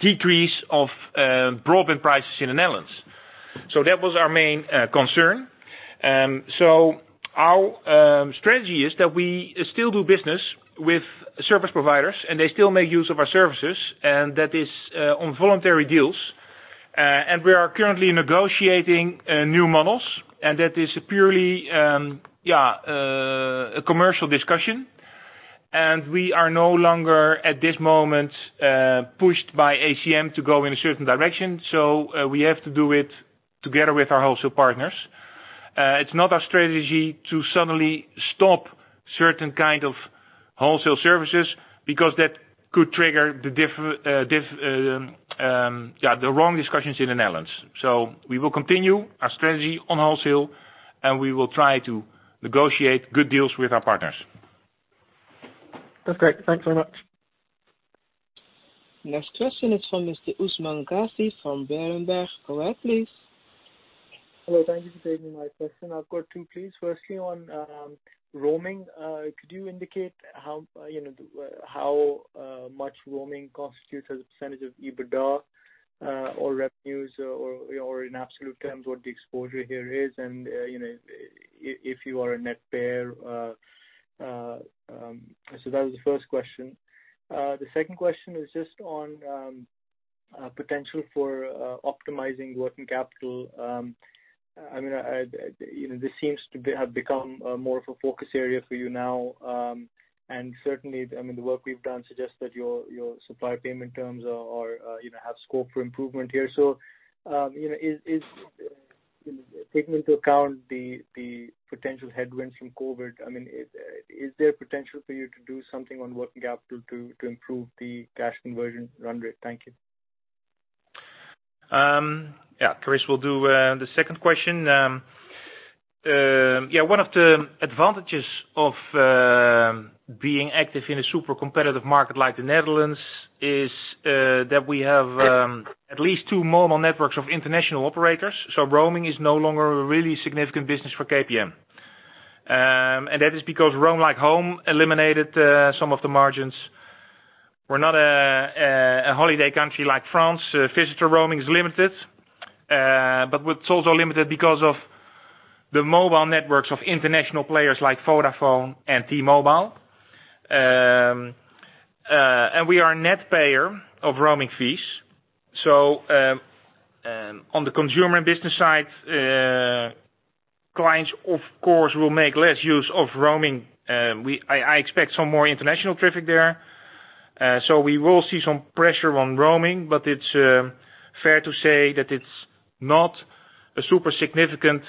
decrease of broadband prices in the Netherlands. That was our main concern. Our strategy is that we still do business with service providers, and they still make use of our services, and that is on voluntary deals. We are currently negotiating new models, and that is purely a commercial discussion. We are no longer, at this moment, pushed by ACM to go in a certain direction. We have to do it together with our wholesale partners. It's not our strategy to suddenly stop certain kind of wholesale services because that could trigger the wrong discussions in the Netherlands. We will continue our strategy on wholesale, and we will try to negotiate good deals with our partners. That's great. Thanks very much. Next question is from Mr. Usman Ghazi from Berenberg. Go ahead, please. Hello. Thank you for taking my question. I've got two, please. Firstly, on roaming, could you indicate how much roaming constitutes as a percent of EBITDA or revenues or in absolute terms, what the exposure here is, and if you are a net payer? That was the first question. The second question is just on potential for optimizing working capital. This seems to have become more of a focus area for you now. Certainly, the work we've done suggests that your supplier payment terms have scope for improvement here. Taking into account the potential headwinds from COVID, is there potential for you to do something on working capital to improve the cash conversion run rate? Thank you. Yeah. Chris will do the second question. One of the advantages of being active in a super competitive market like the Netherlands is that we have at least two mobile networks of international operators. Roaming is no longer a really significant business for KPN. That is because Roam Like Home eliminated some of the margins. We're not a holiday country like France. Visitor roaming is limited, it's also limited because of the mobile networks of international players like Vodafone and T-Mobile. We are a net payer of roaming fees. On the consumer and business side, clients of course will make less use of roaming. I expect some more international traffic there. We will see some pressure on roaming, it's fair to say that it's not a super significant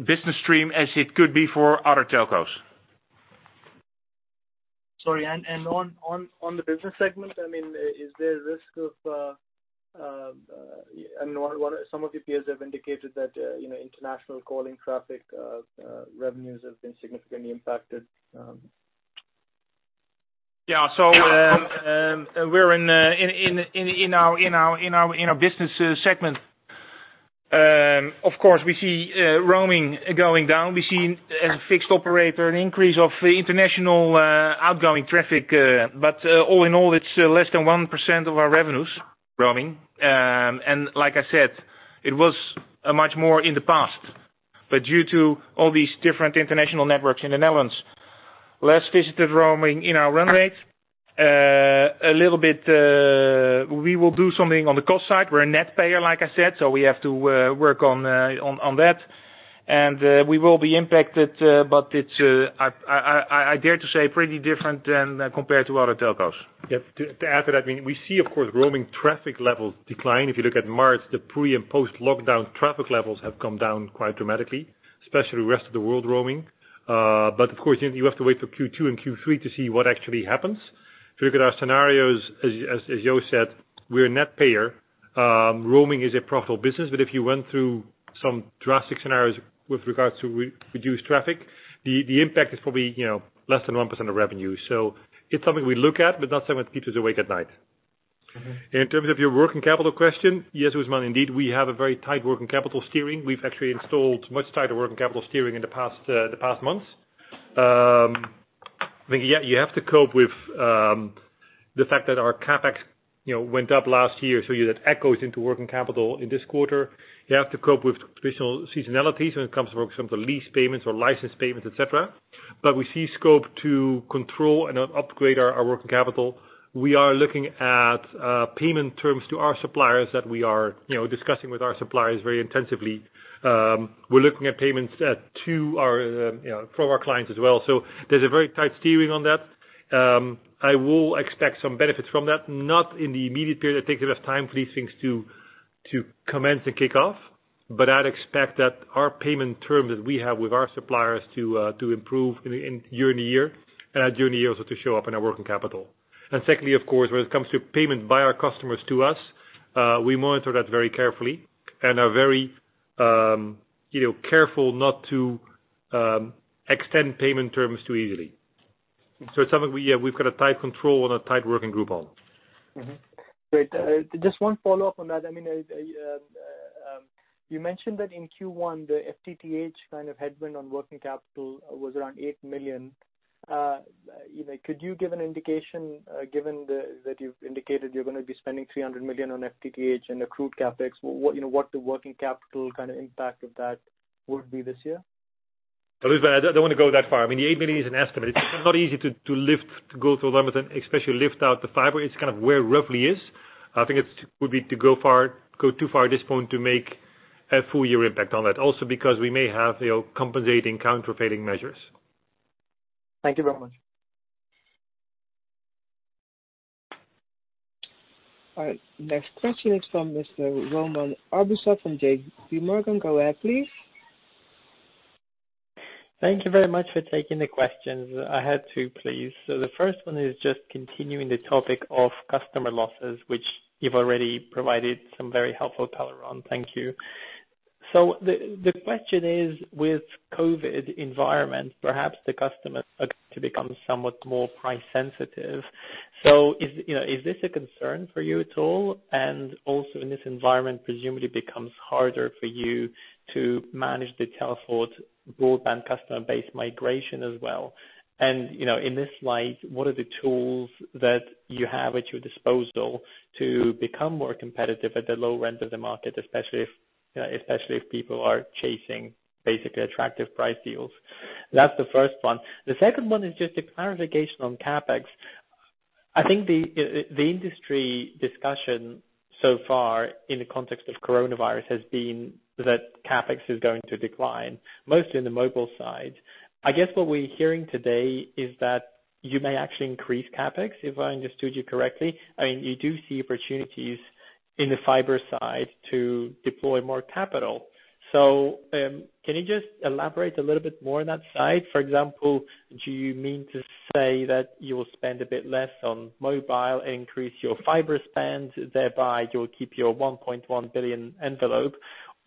business stream as it could be for other telcos. Sorry. On the business segment, is there a risk? I know some of your peers have indicated that international calling traffic revenues have been significantly impacted. Yeah. We're in our business segment. Of course, we see roaming going down. We see a fixed operator, an increase of international outgoing traffic. All in all, it's less than 1% of our revenues, roaming. Like I said, it was much more in the past. Due to all these different international networks in the Netherlands, less visitor roaming in our run rate. A little bit, we will do something on the cost side. We're a net payer, like I said, so we have to work on that. We will be impacted, but it's, I dare to say, pretty different than compared to other telcos. Yeah. To add to that, we see, of course, roaming traffic levels decline. If you look at March, the pre- and post-lockdown traffic levels have come down quite dramatically, especially the rest of the world roaming. Of course, you have to wait for Q2 and Q3 to see what actually happens. If you look at our scenarios, as Jo said, we're a net payer. Roaming is a profitable business, but if you run through some drastic scenarios with regards to reduced traffic, the impact is probably less than 1% of revenue. It's something we look at, but not something that keeps us awake at night. In terms of your working capital question, yes, Usman, indeed, we have a very tight working capital steering. We've actually installed much tighter working capital steering in the past months. You have to cope with the fact that our CapEx went up last year, so you had echoes into working capital in this quarter. You have to cope with traditional seasonalities when it comes to working some of the lease payments or license payments, et cetera. We see scope to control and upgrade our working capital. We are looking at payment terms to our suppliers that we are discussing with our suppliers very intensively. We're looking at payments from our clients as well. There's a very tight steering on that. I will expect some benefits from that, not in the immediate period. I think there is time for these things to commence and kick off. I'd expect that our payment terms that we have with our suppliers to improve year-on-year, and that year-on-year also to show up in our working capital. Secondly, of course, when it comes to payment by our customers to us, we monitor that very carefully and are very careful not to extend payment terms too easily. It's something we've got a tight control and a tight working group on. Great. Just one follow-up on that. You mentioned that in Q1, the FTTH kind of headwind on working capital was around 8 million. Could you give an indication, given that you've indicated you're going to be spending 300 million on FTTH and accrued CapEx, what the working capital kind of impact of that would be this year? Usman, I don't want to go that far. The 8 million is an estimate. It's not easy to lift, to go through them, especially lift out the fiber. It's kind of where roughly is. I think it would be to go too far at this point to make a full year impact on that. Because we may have compensating, countervailing measures. Thank you very much. All right, next question is from Mr. Roman Arbuzov from JPMorgan. Go ahead, please. Thank you very much for taking the questions. I had two, please. The first one is just continuing the topic of customer losses, which you've already provided some very helpful color on. Thank you. The question is, with COVID environment, perhaps the customers are going to become somewhat more price sensitive. Is this a concern for you at all? Also in this environment, presumably becomes harder for you to manage the Telfort broadband customer base migration as well. In this light, what are the tools that you have at your disposal to become more competitive at the low end of the market, especially if people are chasing basically attractive price deals? That's the first one. The second one is just a clarification on CapEx. I think the industry discussion so far in the context of coronavirus has been that CapEx is going to decline, mostly in the mobile side. I guess what we're hearing today is that you may actually increase CapEx, if I understood you correctly. You do see opportunities in the fiber side to deploy more capital. Can you just elaborate a little bit more on that side? For example, do you mean to say that you will spend a bit less on mobile, increase your fiber spend, thereby you'll keep your 1.1 billion envelope?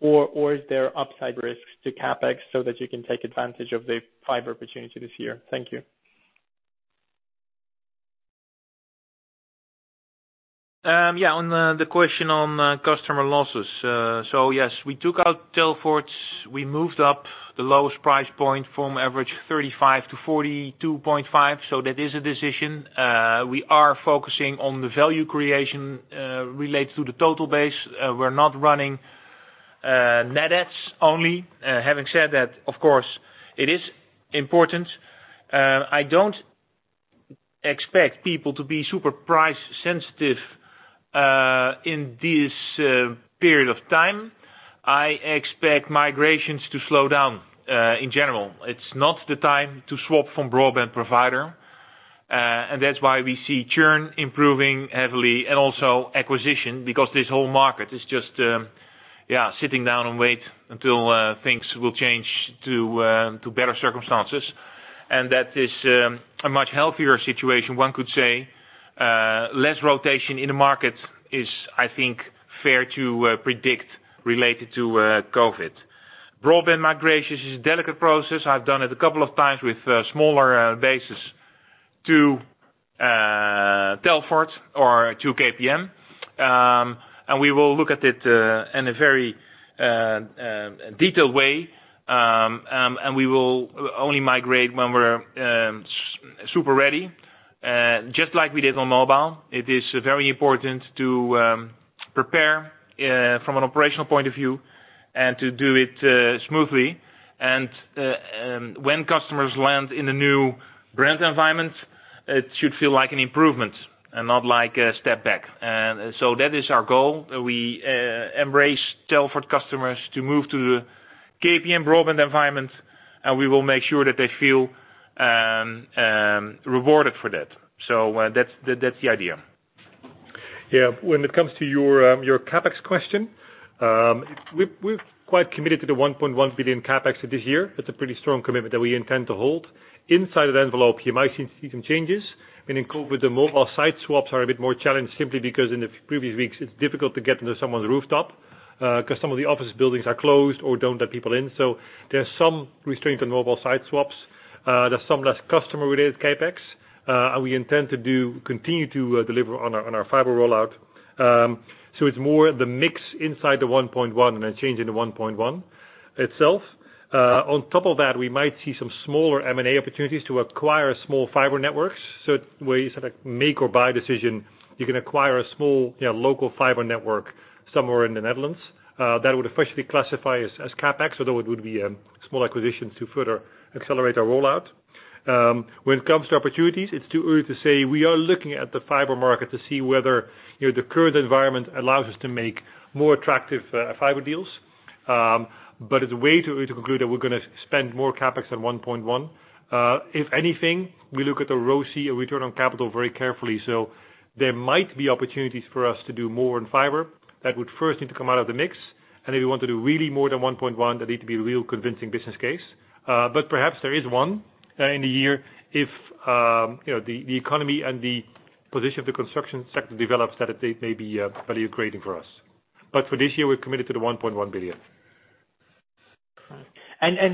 Is there upside risks to CapEx so that you can take advantage of the fiber opportunity this year? Thank you. On the question on customer losses. Yes, we took out Telfort. We moved up the lowest price point from average 35-42.5, so that is a decision. We are focusing on the value creation related to the total base. We're not running net adds only. Having said that, of course, it is important. I don't expect people to be super price sensitive in this period of time. I expect migrations to slow down in general. It's not the time to swap from broadband provider. That's why we see churn improving heavily and also acquisition because this whole market is just, yeah, sitting down and wait until things will change to better circumstances. That is a much healthier situation, one could say. Less rotation in the market is, I think, fair to predict related to COVID. Broadband migration is a delicate process. I've done it a couple of times with a smaller basis to Telfort or to KPN. We will look at it in a very detailed way. We will only migrate when we're super ready, just like we did on mobile. It is very important to prepare from an operational point of view and to do it smoothly. When customers land in the new brand environment, it should feel like an improvement and not like a step back. That is our goal. We embrace Telfort customers to move to the KPN broadband environment, and we will make sure that they feel rewarded for that. That's the idea. Yeah. When it comes to your CapEx question, we're quite committed to the 1.1 billion CapEx this year. That's a pretty strong commitment that we intend to hold. Inside of the envelope, you might see some changes. I mean, in COVID, the mobile site swaps are a bit more challenged simply because in the previous weeks, it's difficult to get into someone's rooftop, because some of the office buildings are closed or don't let people in. There's some restraint on mobile site swaps. There's some less customer-related CapEx. We intend to continue to deliver on our fiber rollout. It's more the mix inside the 1.1 billion than changing the 1.1 billion itself. On top of that, we might see some smaller M&A opportunities to acquire small fiber networks. Where you sort of make or buy decision, you can acquire a small local fiber network somewhere in the Netherlands. That would officially classify as CapEx, although it would be a small acquisition to further accelerate our rollout. When it comes to opportunities, it's too early to say we are looking at the fiber market to see whether the current environment allows us to make more attractive fiber deals. It's way too early to conclude that we're going to spend more CapEx on 1.1 billion. If anything, we look at the ROCE, return on capital, very carefully. There might be opportunities for us to do more in fiber that would first need to come out of the mix. If we want to do really more than 1.1 billion, that need to be a real convincing business case. Perhaps there is one in the year if the economy and the position of the construction sector develops that it may be value creating for us. For this year, we're committed to the 1.1 billion.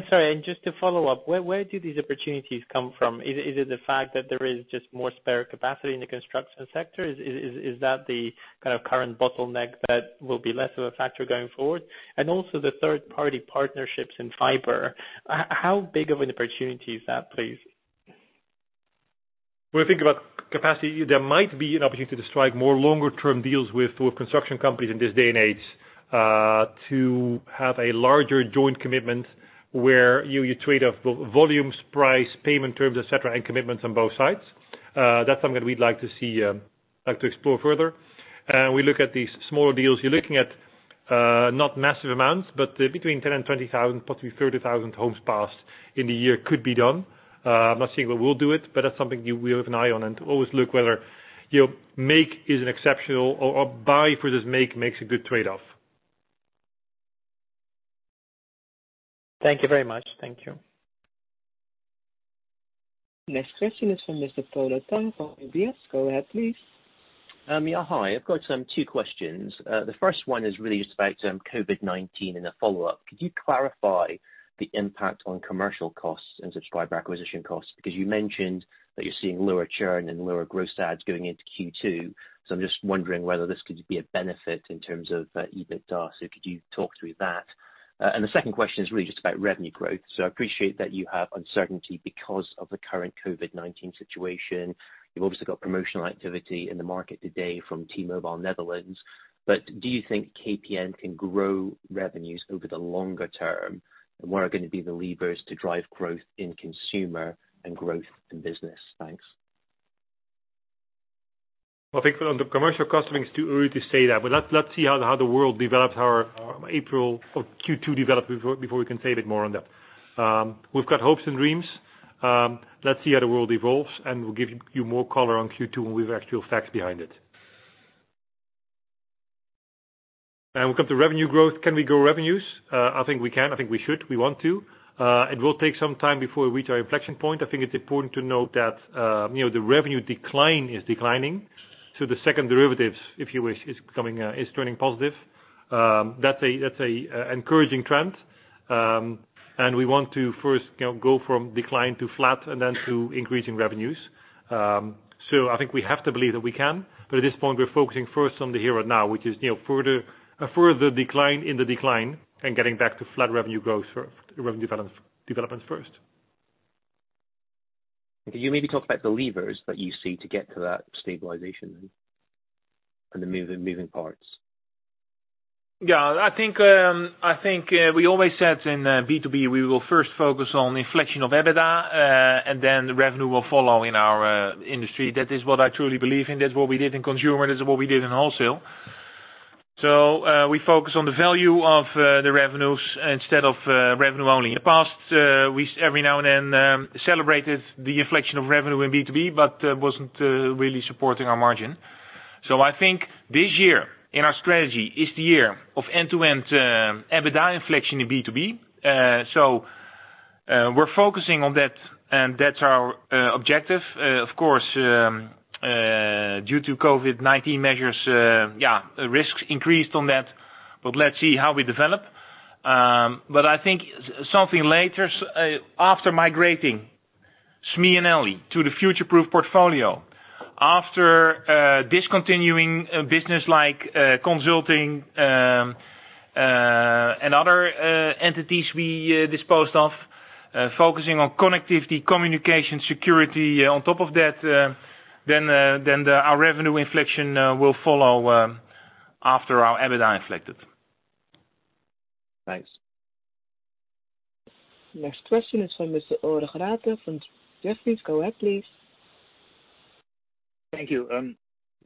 Sorry, just to follow up, where do these opportunities come from? Is it the fact that there is just more spare capacity in the construction sector? Is that the current bottleneck that will be less of a factor going forward? Also the third-party partnerships in fiber, how big of an opportunity is that, please? When you think about capacity, there might be an opportunity to strike more longer term deals with construction companies in this day and age to have a larger joint commitment where you trade off volumes, price, payment terms, et cetera, and commitments on both sides. That's something that we'd like to explore further. We look at these smaller deals. You're looking at not massive amounts, but between 10 and 20,000, possibly 30,000 homes passed in the year could be done. I'm not saying we will do it, that's something we have an eye on and to always look whether make is an exceptional or buy for this make makes a good trade-off. Thank you very much. Thank you. Next question is from Mr. Polo Tang from UBS. Go ahead, please. Yeah. Hi. I've got two questions. The first one is really just about COVID-19 and a follow-up. Could you clarify the impact on commercial costs and subscriber acquisition costs? You mentioned that you're seeing lower churn and lower gross adds going into Q2, so I'm just wondering whether this could be a benefit in terms of EBITDA. Could you talk through that? The second question is really just about revenue growth. I appreciate that you have uncertainty because of the current COVID-19 situation. You've obviously got promotional activity in the market today from T-Mobile Netherlands. Do you think KPN can grow revenues over the longer term? What are going to be the levers to drive growth in consumer and growth in business? Thanks. I think on the commercial customer, it's too early to say that. Let's see how the world develops, how April or Q2 develops before we can say a bit more on that. We've got hopes and dreams. Let's see how the world evolves, and we'll give you more color on Q2 when we have actual facts behind it. Now we come to revenue growth. Can we grow revenues? I think we can. I think we should, we want to. It will take some time before we reach our inflection point. I think it's important to note that the revenue decline is declining. The second derivative, if you wish, is turning positive. That's an encouraging trend. We want to first go from decline to flat and then to increasing revenues. I think we have to believe that we can. At this point, we're focusing first on the here and now, which is a further decline in the decline, and getting back to flat revenue growth, revenue developments first. Okay. Can you maybe talk about the levers that you see to get to that stabilization then, and the moving parts? Yeah. I think we always said in B2B, we will first focus on inflection of EBITDA, and then the revenue will follow in our industry. That is what I truly believe in. That's what we did in consumer, that's what we did in wholesale. We focus on the value of the revenues instead of revenue only. In the past, every now and then, celebrated the inflection of revenue in B2B, but wasn't really supporting our margin. I think this year in our strategy is the year of end-to-end EBITDA inflection in B2B. We're focusing on that, and that's our objective. Of course, due to COVID-19 measures, risks increased on that. Let's see how we develop. I think something later, after migrating SME and LE to the future-proof portfolio, after discontinuing business like consulting, and other entities we disposed of. Focusing on connectivity, communication, security on top of that, then our revenue inflection will follow after our EBITDA inflection. Thanks. Next question is from Mr. Ulrich Rathe from Jefferies. Go ahead, please. Thank you.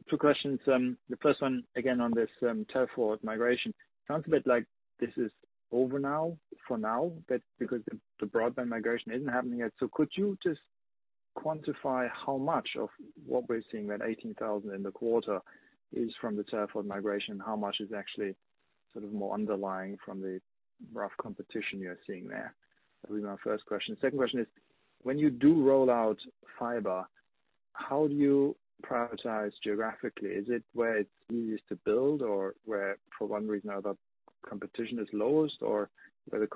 Two questions. The first one, again on this Telfort migration. Sounds a bit like this is over now, for now. That because the broadband migration isn't happening yet. Could you just quantify how much of what we're seeing, that 18,000 in the quarter, is from the Telfort migration, and how much is actually more underlying from the rough competition you're seeing there? That would be my first question. Second question is, when you do roll out fiber, how do you prioritize geographically? Is it where it's easiest to build, or where for one reason or other, competition is lowest, or where the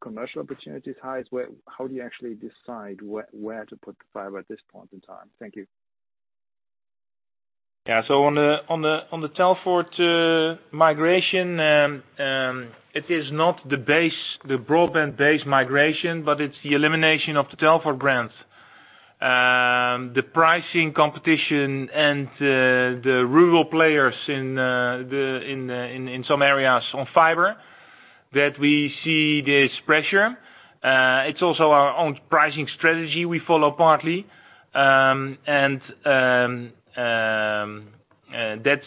commercial opportunity is highest? How do you actually decide where to put the fiber at this point in time? Thank you. Yeah. On the Telfort migration, it is not the broadband base migration, but it's the elimination of the Telfort brand. The pricing competition and the rural players in some areas on fiber, that we see this pressure. It's also our own pricing strategy we follow partly. That's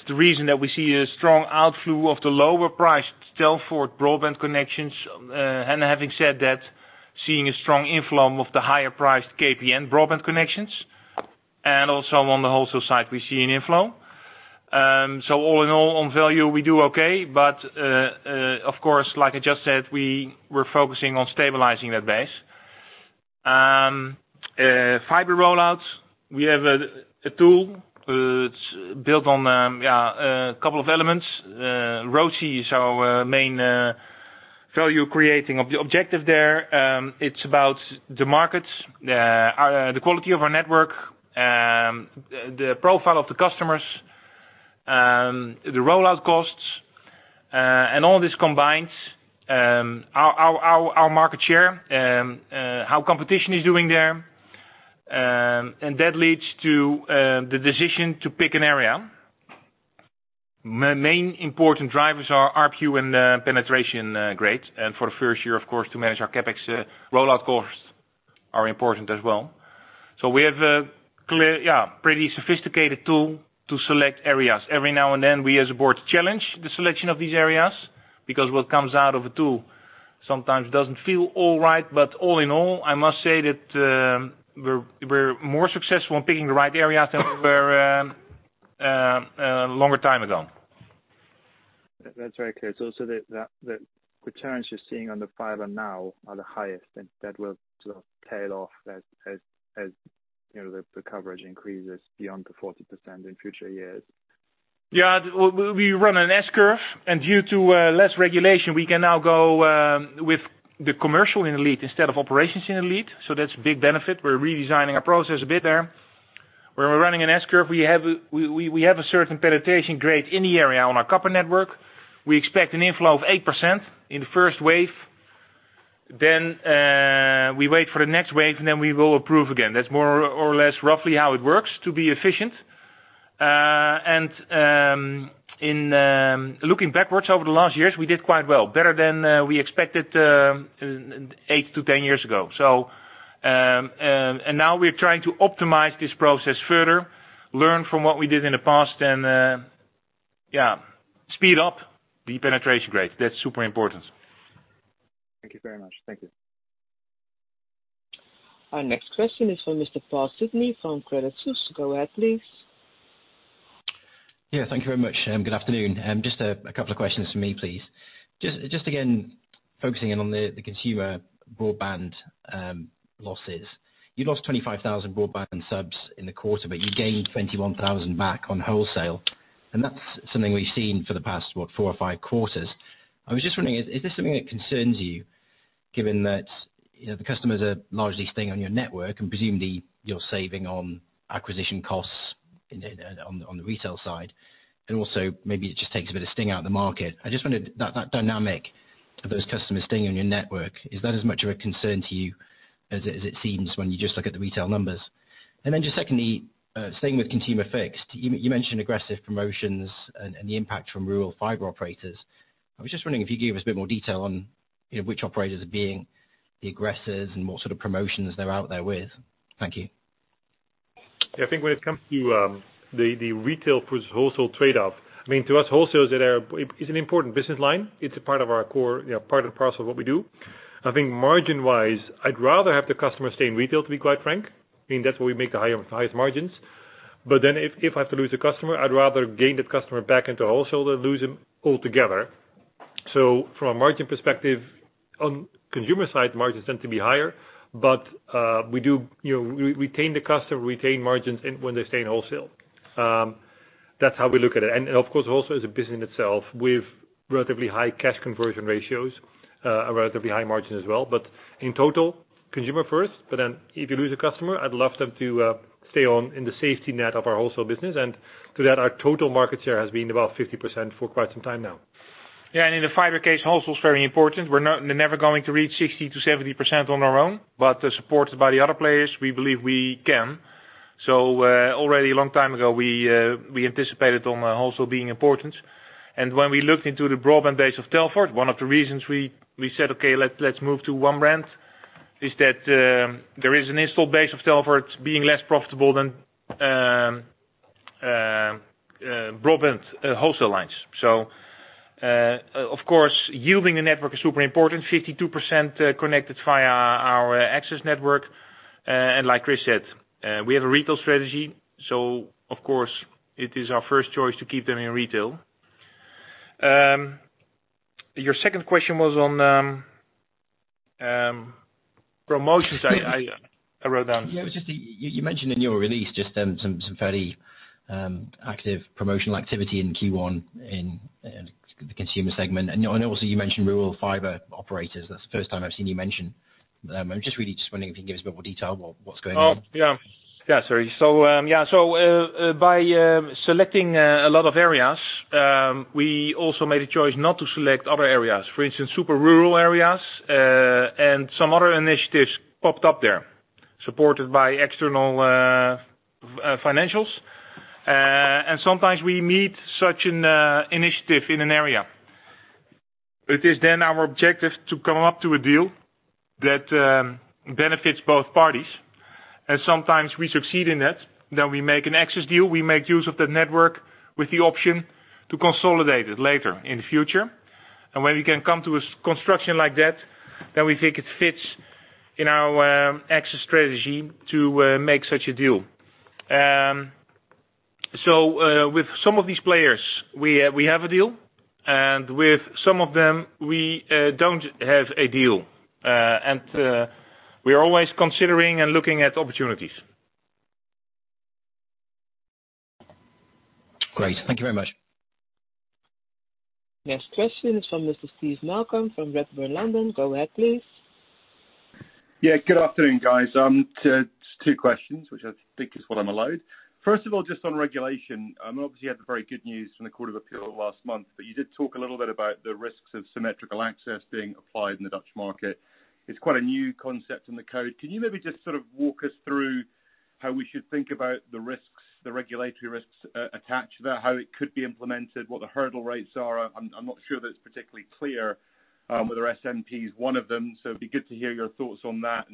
the reason that we see a strong outflow of the lower priced Telfort broadband connections. Having said that, seeing a strong inflow of the higher priced KPN broadband connections. Also on the wholesale side, we're seeing inflow. All in all on value, we do okay. Of course, like I just said, we're focusing on stabilizing that base. Fiber rollouts, we have a tool. It's built on a couple of elements. ROCE is our main value creating. The objective there, it's about the markets, the quality of our network, the profile of the customers, the rollout costs, and all this combined. Our market share, how competition is doing there. That leads to the decision to pick an area. Main important drivers are ARPU and penetration grades. For the first year, of course, to manage our CapEx rollout costs are important as well. We have a pretty sophisticated tool to select areas. Every now and then, we as a board challenge the selection of these areas, because what comes out of a tool sometimes doesn't feel all right. All in all, I must say that we're more successful in picking the right areas than we were a longer time ago. That's very clear. The returns you're seeing on the fiber now are the highest, and that will sort of tail off as the coverage increases beyond the 40% in future years. Yeah. We run an S-curve, and due to less regulation, we can now go with the commercial in the lead instead of operations in the lead. That's a big benefit. We're redesigning our process a bit there. Where we're running an S-curve, we have a certain penetration grade in the area on our copper network. We expect an inflow of 8% in the first wave. We wait for the next wave, and then we will approve again. That's more or less roughly how it works to be efficient. Looking backwards over the last years, we did quite well. Better than we expected 8-10 years ago. Now we're trying to optimize this process further. Learn from what we did in the past and speed up the penetration grade. That's super important. Thank you very much. Thank you. Our next question is for Mr. Paul Sidney from Credit Suisse. Go ahead, please. Yeah, thank you very much. Good afternoon. Just a couple of questions from me, please. Just again, focusing in on the consumer broadband losses. You lost 25,000 broadband subs in the quarter, but you gained 21,000 back on wholesale, and that's something we've seen for the past, what, four or five quarters. I was just wondering, is this something that concerns you, given that the customers are largely staying on your network, and presumably you're saving on acquisition costs on the retail side, and also maybe it just takes a bit of sting out of the market? I just wondered that dynamic of those customers staying on your network, is that as much of a concern to you as it seems when you just look at the retail numbers? Then just secondly, staying with consumer fixed, you mentioned aggressive promotions and the impact from rural fiber operators. I was just wondering if you could give us a bit more detail on which operators are being the aggressors and what sort of promotions they're out there with. Thank you. Yeah, I think when it comes to the retail versus wholesale trade-off, to us, wholesale is an important business line. It's part of the parcel of what we do. I think margin-wise, I'd rather have the customer stay in retail, to be quite frank. That's where we make the highest margins. If I have to lose a customer, I'd rather gain that customer back into wholesale than lose them altogether. From a margin perspective, on consumer side, margins tend to be higher. We retain the customer, retain margins when they stay in wholesale. That's how we look at it. Of course, wholesale is a business in itself with relatively high cash conversion ratios, a relatively high margin as well. In total, consumer first, but then if you lose a customer, I'd love them to stay on in the safety net of our wholesale business. To that, our total market share has been about 50% for quite some time now. In the fiber case, wholesale is very important. We're never going to reach 60%-70% on our own, supported by the other players, we believe we can. Already a long time ago, we anticipated on wholesale being important. When we looked into the broadband base of Telfort, one of the reasons we said, "Okay, let's move to one brand," is that there is an install base of Telfort being less profitable than broadband wholesale lines. Of course, yielding the network is super important, 52% connected via our access network. Like Chris said, we have a retail strategy, of course, it is our first choice to keep them in retail. Your second question was on promotions. I wrote down. Yeah, it was just that you mentioned in your release just some fairly active promotional activity in Q1 in the consumer segment. Also you mentioned rural fiber operators. That's the first time I've seen you mention. I'm just really just wondering if you can give us a bit more detail what's going on. Oh, yeah. Sorry. By selecting a lot of areas, we also made a choice not to select other areas. For instance, super rural areas, some other initiatives popped up there, supported by external financials. Sometimes we meet such an initiative in an area. It is then our objective to come up to a deal that benefits both parties. Sometimes we succeed in that. We make an access deal. We make use of the network with the option to consolidate it later in the future. When we can come to a construction like that, then we think it fits in our access strategy to make such a deal. With some of these players, we have a deal, and with some of them, we don't have a deal. We are always considering and looking at opportunities. Great. Thank you very much. Next question is from Mr. Steve Malcolm from Redburn Atlantic. Go ahead, please. Good afternoon, guys. Two questions, which I think is what I'm allowed. First of all, just on regulation, obviously you had the very good news from the Court of Appeal last month, but you did talk a little bit about the risks of symmetrical access being applied in the Dutch market. It's quite a new concept in the code. Can you maybe just sort of walk us through how we should think about the risks, the regulatory risks attached to that, how it could be implemented, what the hurdle rates are? I'm not sure that it's particularly clear whether SMP is one of them, so it'd be good to hear your thoughts on that,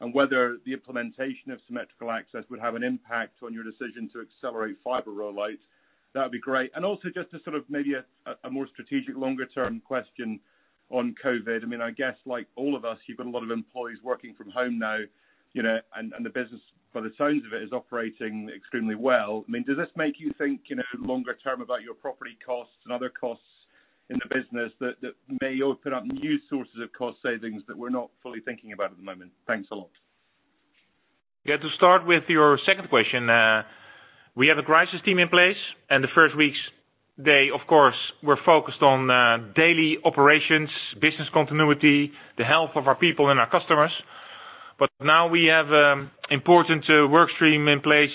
and whether the implementation of symmetrical access would have an impact on your decision to accelerate fiber roll-outs. That would be great. Also just as sort of maybe a more strategic longer-term question on COVID. I guess like all of us, you've got a lot of employees working from home now, and the business, by the sounds of it, is operating extremely well. Does this make you think longer term about your property costs and other costs in the business that may open up new sources of cost savings that we're not fully thinking about at the moment? Thanks a lot. Yeah, to start with your second question. We have a crisis team in place, and the first weeks, they, of course, were focused on daily operations, business continuity, the health of our people and our customers. Now we have important work stream in place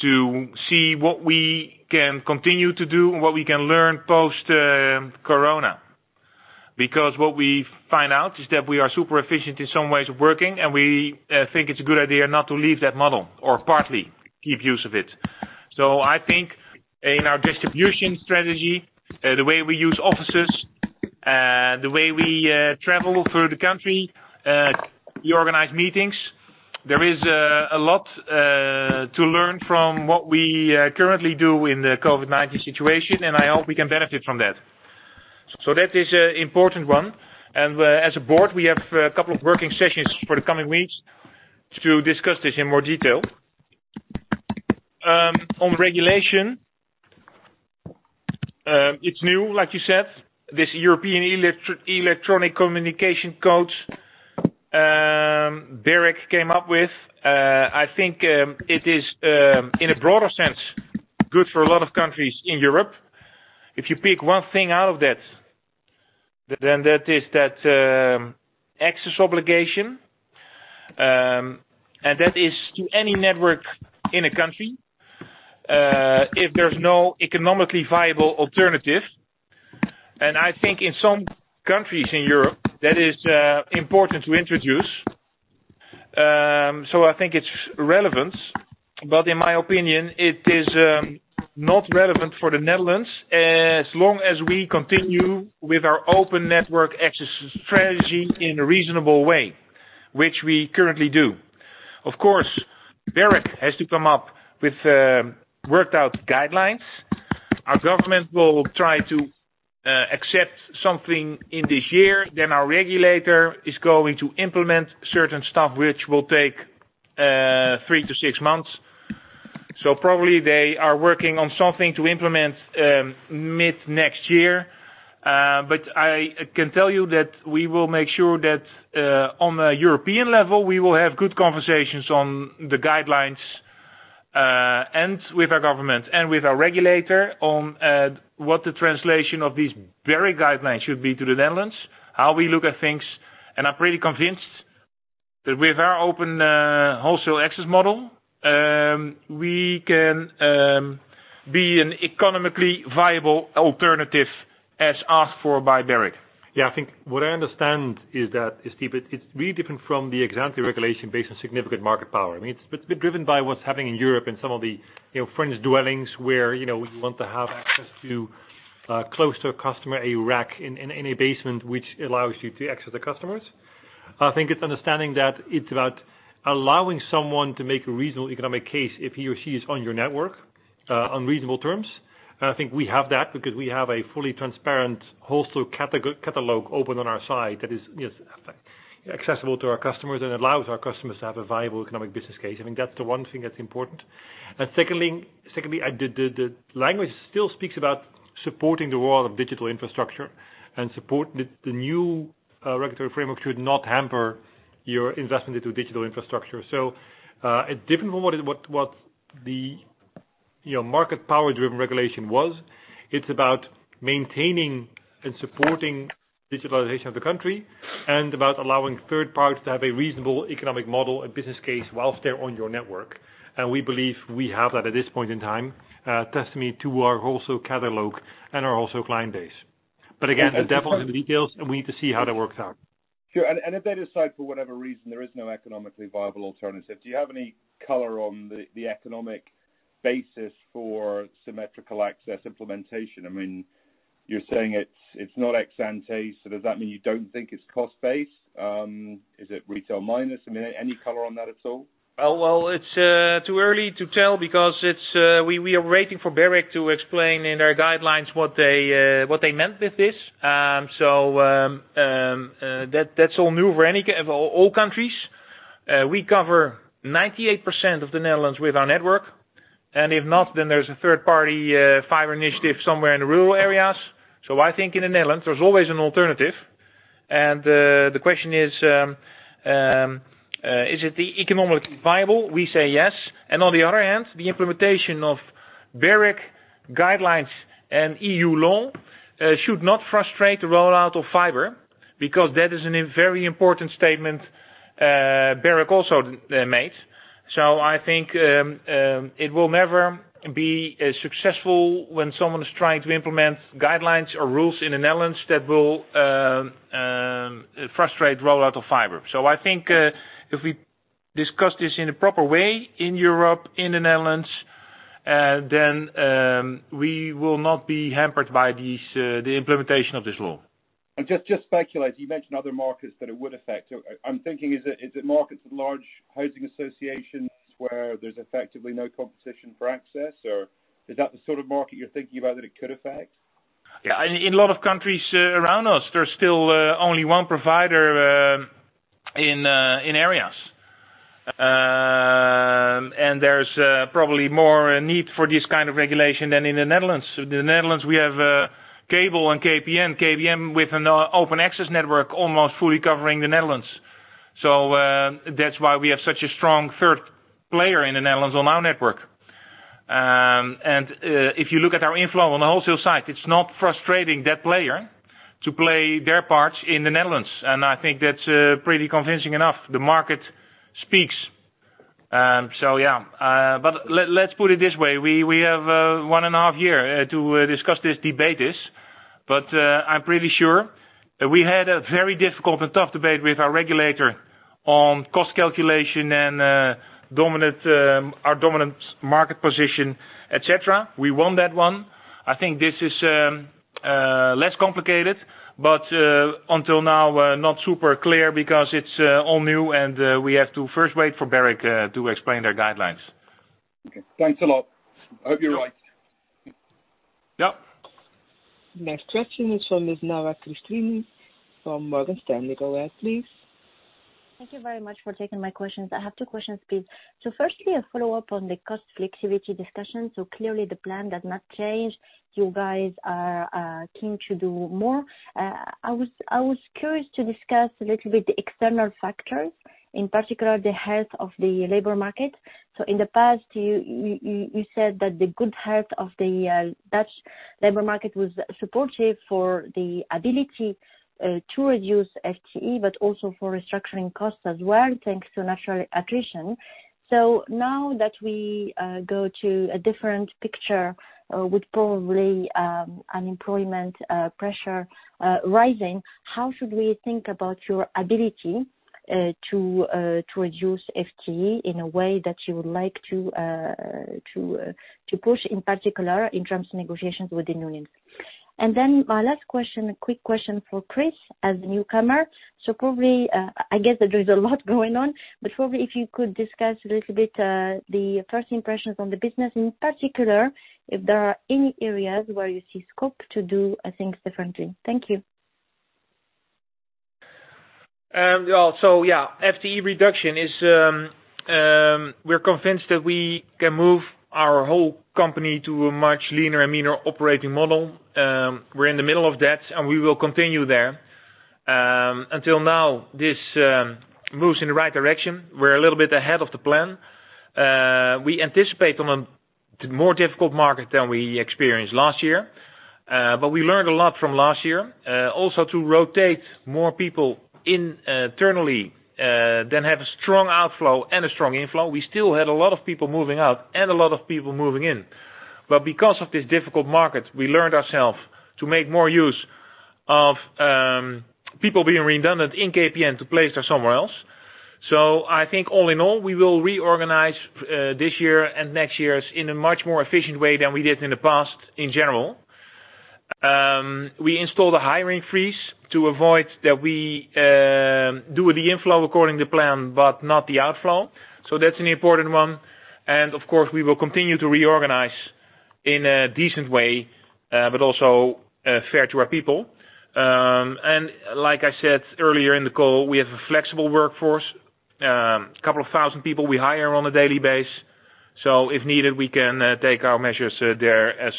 to see what we can continue to do and what we can learn post-corona. What we find out is that we are super efficient in some ways of working, and we think it's a good idea not to leave that model or partly keep use of it. I think in our distribution strategy, the way we use offices, the way we travel through the country, we organize meetings. There is a lot to learn from what we currently do in the COVID-19 situation, and I hope we can benefit from that. That is an important one, and as a board, we have a couple of working sessions for the coming weeks to discuss this in more detail. On regulation. It's new, like you said, this European Electronic Communications Code BEREC came up with. I think it is, in a broader sense, good for a lot of countries in Europe. If you pick one thing out of that, then that is that access obligation, and that is to any network in a country, if there's no economically viable alternative. I think in some countries in Europe, that is important to introduce. I think it's relevant, but in my opinion, it is not relevant for the Netherlands as long as we continue with our open network access strategy in a reasonable way, which we currently do. BEREC has to come up with worked-out guidelines. Our government will try to accept something in this year, then our regulator is going to implement certain stuff, which will take three to six months. Probably they are working on something to implement mid-next year. I can tell you that we will make sure that on the European level, we will have good conversations on the guidelines, and with our government, and with our regulator on what the translation of these BEREC guidelines should be to the Netherlands, how we look at things. I'm pretty convinced that with our open wholesale access model, we can be an economically viable alternative as asked for by BEREC. Yeah, I think what I understand is that, Steve, it is really different from the ex-ante regulation based on significant market power. It is driven by what is happening in Europe and some of the French dwellings where we want to have access to close to a customer, a rack in a basement, which allows you to access the customers. I think it is understanding that it is about allowing someone to make a reasonable economic case if he or she is on your network on reasonable terms. I think we have that because we have a fully transparent wholesale catalog open on our site that is accessible to our customers and allows our customers to have a viable economic business case. I think that is the one thing that is important. Secondly, the language still speaks about supporting the role of digital infrastructure, and the new regulatory framework should not hamper your investment into digital infrastructure. Different from what the market power-driven regulation was. It's about maintaining and supporting digitalization of the country and about allowing third parties to have a reasonable economic model and business case whilst they're on your network. We believe we have that at this point in time, testament to our wholesale catalog and our wholesale client base. Again, the devil's in the details, and we need to see how that works out. Sure. If they decide for whatever reason, there is no economically viable alternative, do you have any color on the economic basis for symmetrical access implementation? You're saying it's not ex-ante, does that mean you don't think it's cost-based? Is it retail minus? Any color on that at all? It's too early to tell because we are waiting for BEREC to explain in their guidelines what they meant with this. That's all new for all countries. We cover 98% of the Netherlands with our network. If not, then there's a third-party fiber initiative somewhere in the rural areas. I think in the Netherlands, there's always an alternative. The question is it economically viable? We say yes. On the other hand, the implementation of BEREC guidelines and EU law should not frustrate the rollout of fiber because that is a very important statement BEREC also made. I think it will never be successful when someone is trying to implement guidelines or rules in the Netherlands that will frustrate rollout of fiber. I think if we discuss this in a proper way in Europe, in the Netherlands, then we will not be hampered by the implementation of this law. Just speculating, you mentioned other markets that it would affect. I'm thinking, is it markets with large housing associations where there's effectively no competition for access? Or is that the sort of market you're thinking about that it could affect? Yeah. In a lot of countries around us, there's still only one provider in areas. There's probably more need for this kind of regulation than in the Netherlands. In the Netherlands, we have cable and KPN. KPN with an open access network almost fully covering the Netherlands. That's why we have such a strong third player in the Netherlands on our network. If you look at our inflow on the wholesale side, it's not frustrating that player to play their part in the Netherlands. I think that's pretty convincing enough. The market speaks. Yeah. Let's put it this way. We have one and a half years to discuss these debates. I'm pretty sure. We had a very difficult and tough debate with our regulator on cost calculation and our dominant market position, et cetera. We won that one. I think this is less complicated, but until now, not super clear because it is all new and we have to first wait for BEREC to explain their guidelines. Okay. Thanks a lot. I hope you're right. Yep. Next question is from Ms. Terence Tsui from Morgan Stanley. Go ahead, please. Thank you very much for taking my questions. I have two questions, please. Firstly, a follow-up on the cost flexibility discussion. Clearly the plan does not change. You guys are keen to do more. I was curious to discuss a little the external factors, in particular the health of the labor market. In the past, you said that the good health of the Dutch labor market was supportive for the ability to reduce FTE, but also for restructuring costs as well, thanks to natural attrition. Now that we go to a different picture with probably unemployment pressure rising, how should we think about your ability to reduce FTE in a way that you would like to push, in particular in terms of negotiations with the unions? Then my last question, a quick question for Chris Figee as a newcomer. Probably, I guess that there's a lot going on, but probably if you could discuss a little bit the first impressions on the business, in particular, if there are any areas where you see scope to do things differently. Thank you. Yeah, FTE reduction is, we're convinced that we can move our whole company to a much leaner and meaner operating model. We're in the middle of that, and we will continue there. Until now, this moves in the right direction. We're a little bit ahead of the plan. We anticipate on a more difficult market than we experienced last year. We learned a lot from last year. Also to rotate more people internally than have a strong outflow and a strong inflow. We still had a lot of people moving out and a lot of people moving in. Because of this difficult market, we learned ourself to make more use of people being redundant in KPN to place them somewhere else. I think all in all, we will reorganize this year and next year's in a much more efficient way than we did in the past, in general. We installed a hiring freeze to avoid that we do the inflow according to plan, but not the outflow. That's an important one. Of course, we will continue to reorganize in a decent way, but also fair to our people. Like I said earlier in the call, we have a flexible workforce. A couple of thousand people we hire on a daily basis. If needed, we can take our measures there as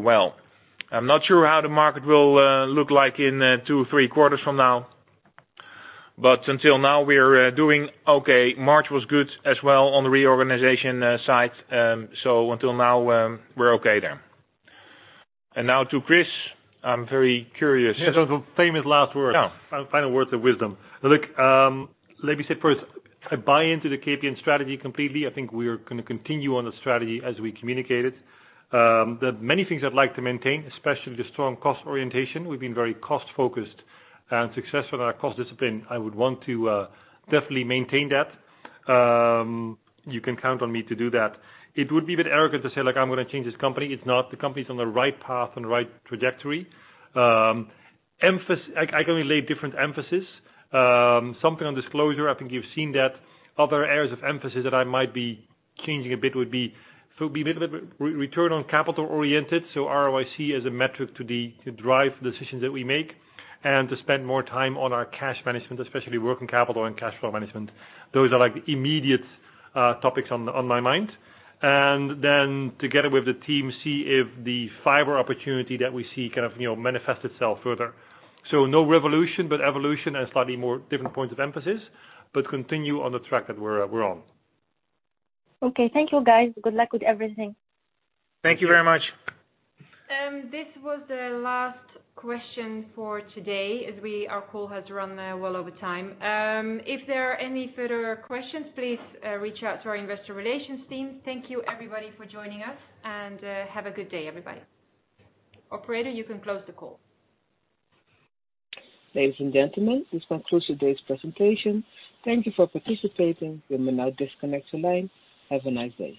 well. I'm not sure how the market will look like in two or three quarters from now. Until now we're doing okay. March was good as well on the reorganization side. Until now, we're okay there. Now to Chris. I'm very curious. Yes, those are famous last words. Yeah. Final words of wisdom. Look, let me say first, I buy into the KPN strategy completely. I think we're going to continue on the strategy as we communicate it. There are many things I'd like to maintain, especially the strong cost orientation. We've been very cost-focused and successful in our cost discipline. I would want to definitely maintain that. You can count on me to do that. It would be a bit arrogant to say, "I'm going to change this company." It's not. The company's on the right path, on the right trajectory. I can relate different emphasis. Something on disclosure, I think you've seen that other areas of emphasis that I might be changing a bit would be return on capital oriented, ROIC as a metric to drive the decisions that we make and to spend more time on our cash management, especially working capital and cash flow management. Those are the immediate topics on my mind. Together with the team, see if the fiber opportunity that we see kind of manifests itself further. No revolution, but evolution and slightly more different points of emphasis, but continue on the track that we're on. Okay. Thank you, guys. Good luck with everything. Thank you very much. This was the last question for today, as our call has run well over time. If there are any further questions, please reach out to our investor relations team. Thank you everybody for joining us, and have a good day, everybody. Operator, you can close the call. Ladies and gentlemen, this concludes today's presentation. Thank you for participating. You may now disconnect your line. Have a nice day.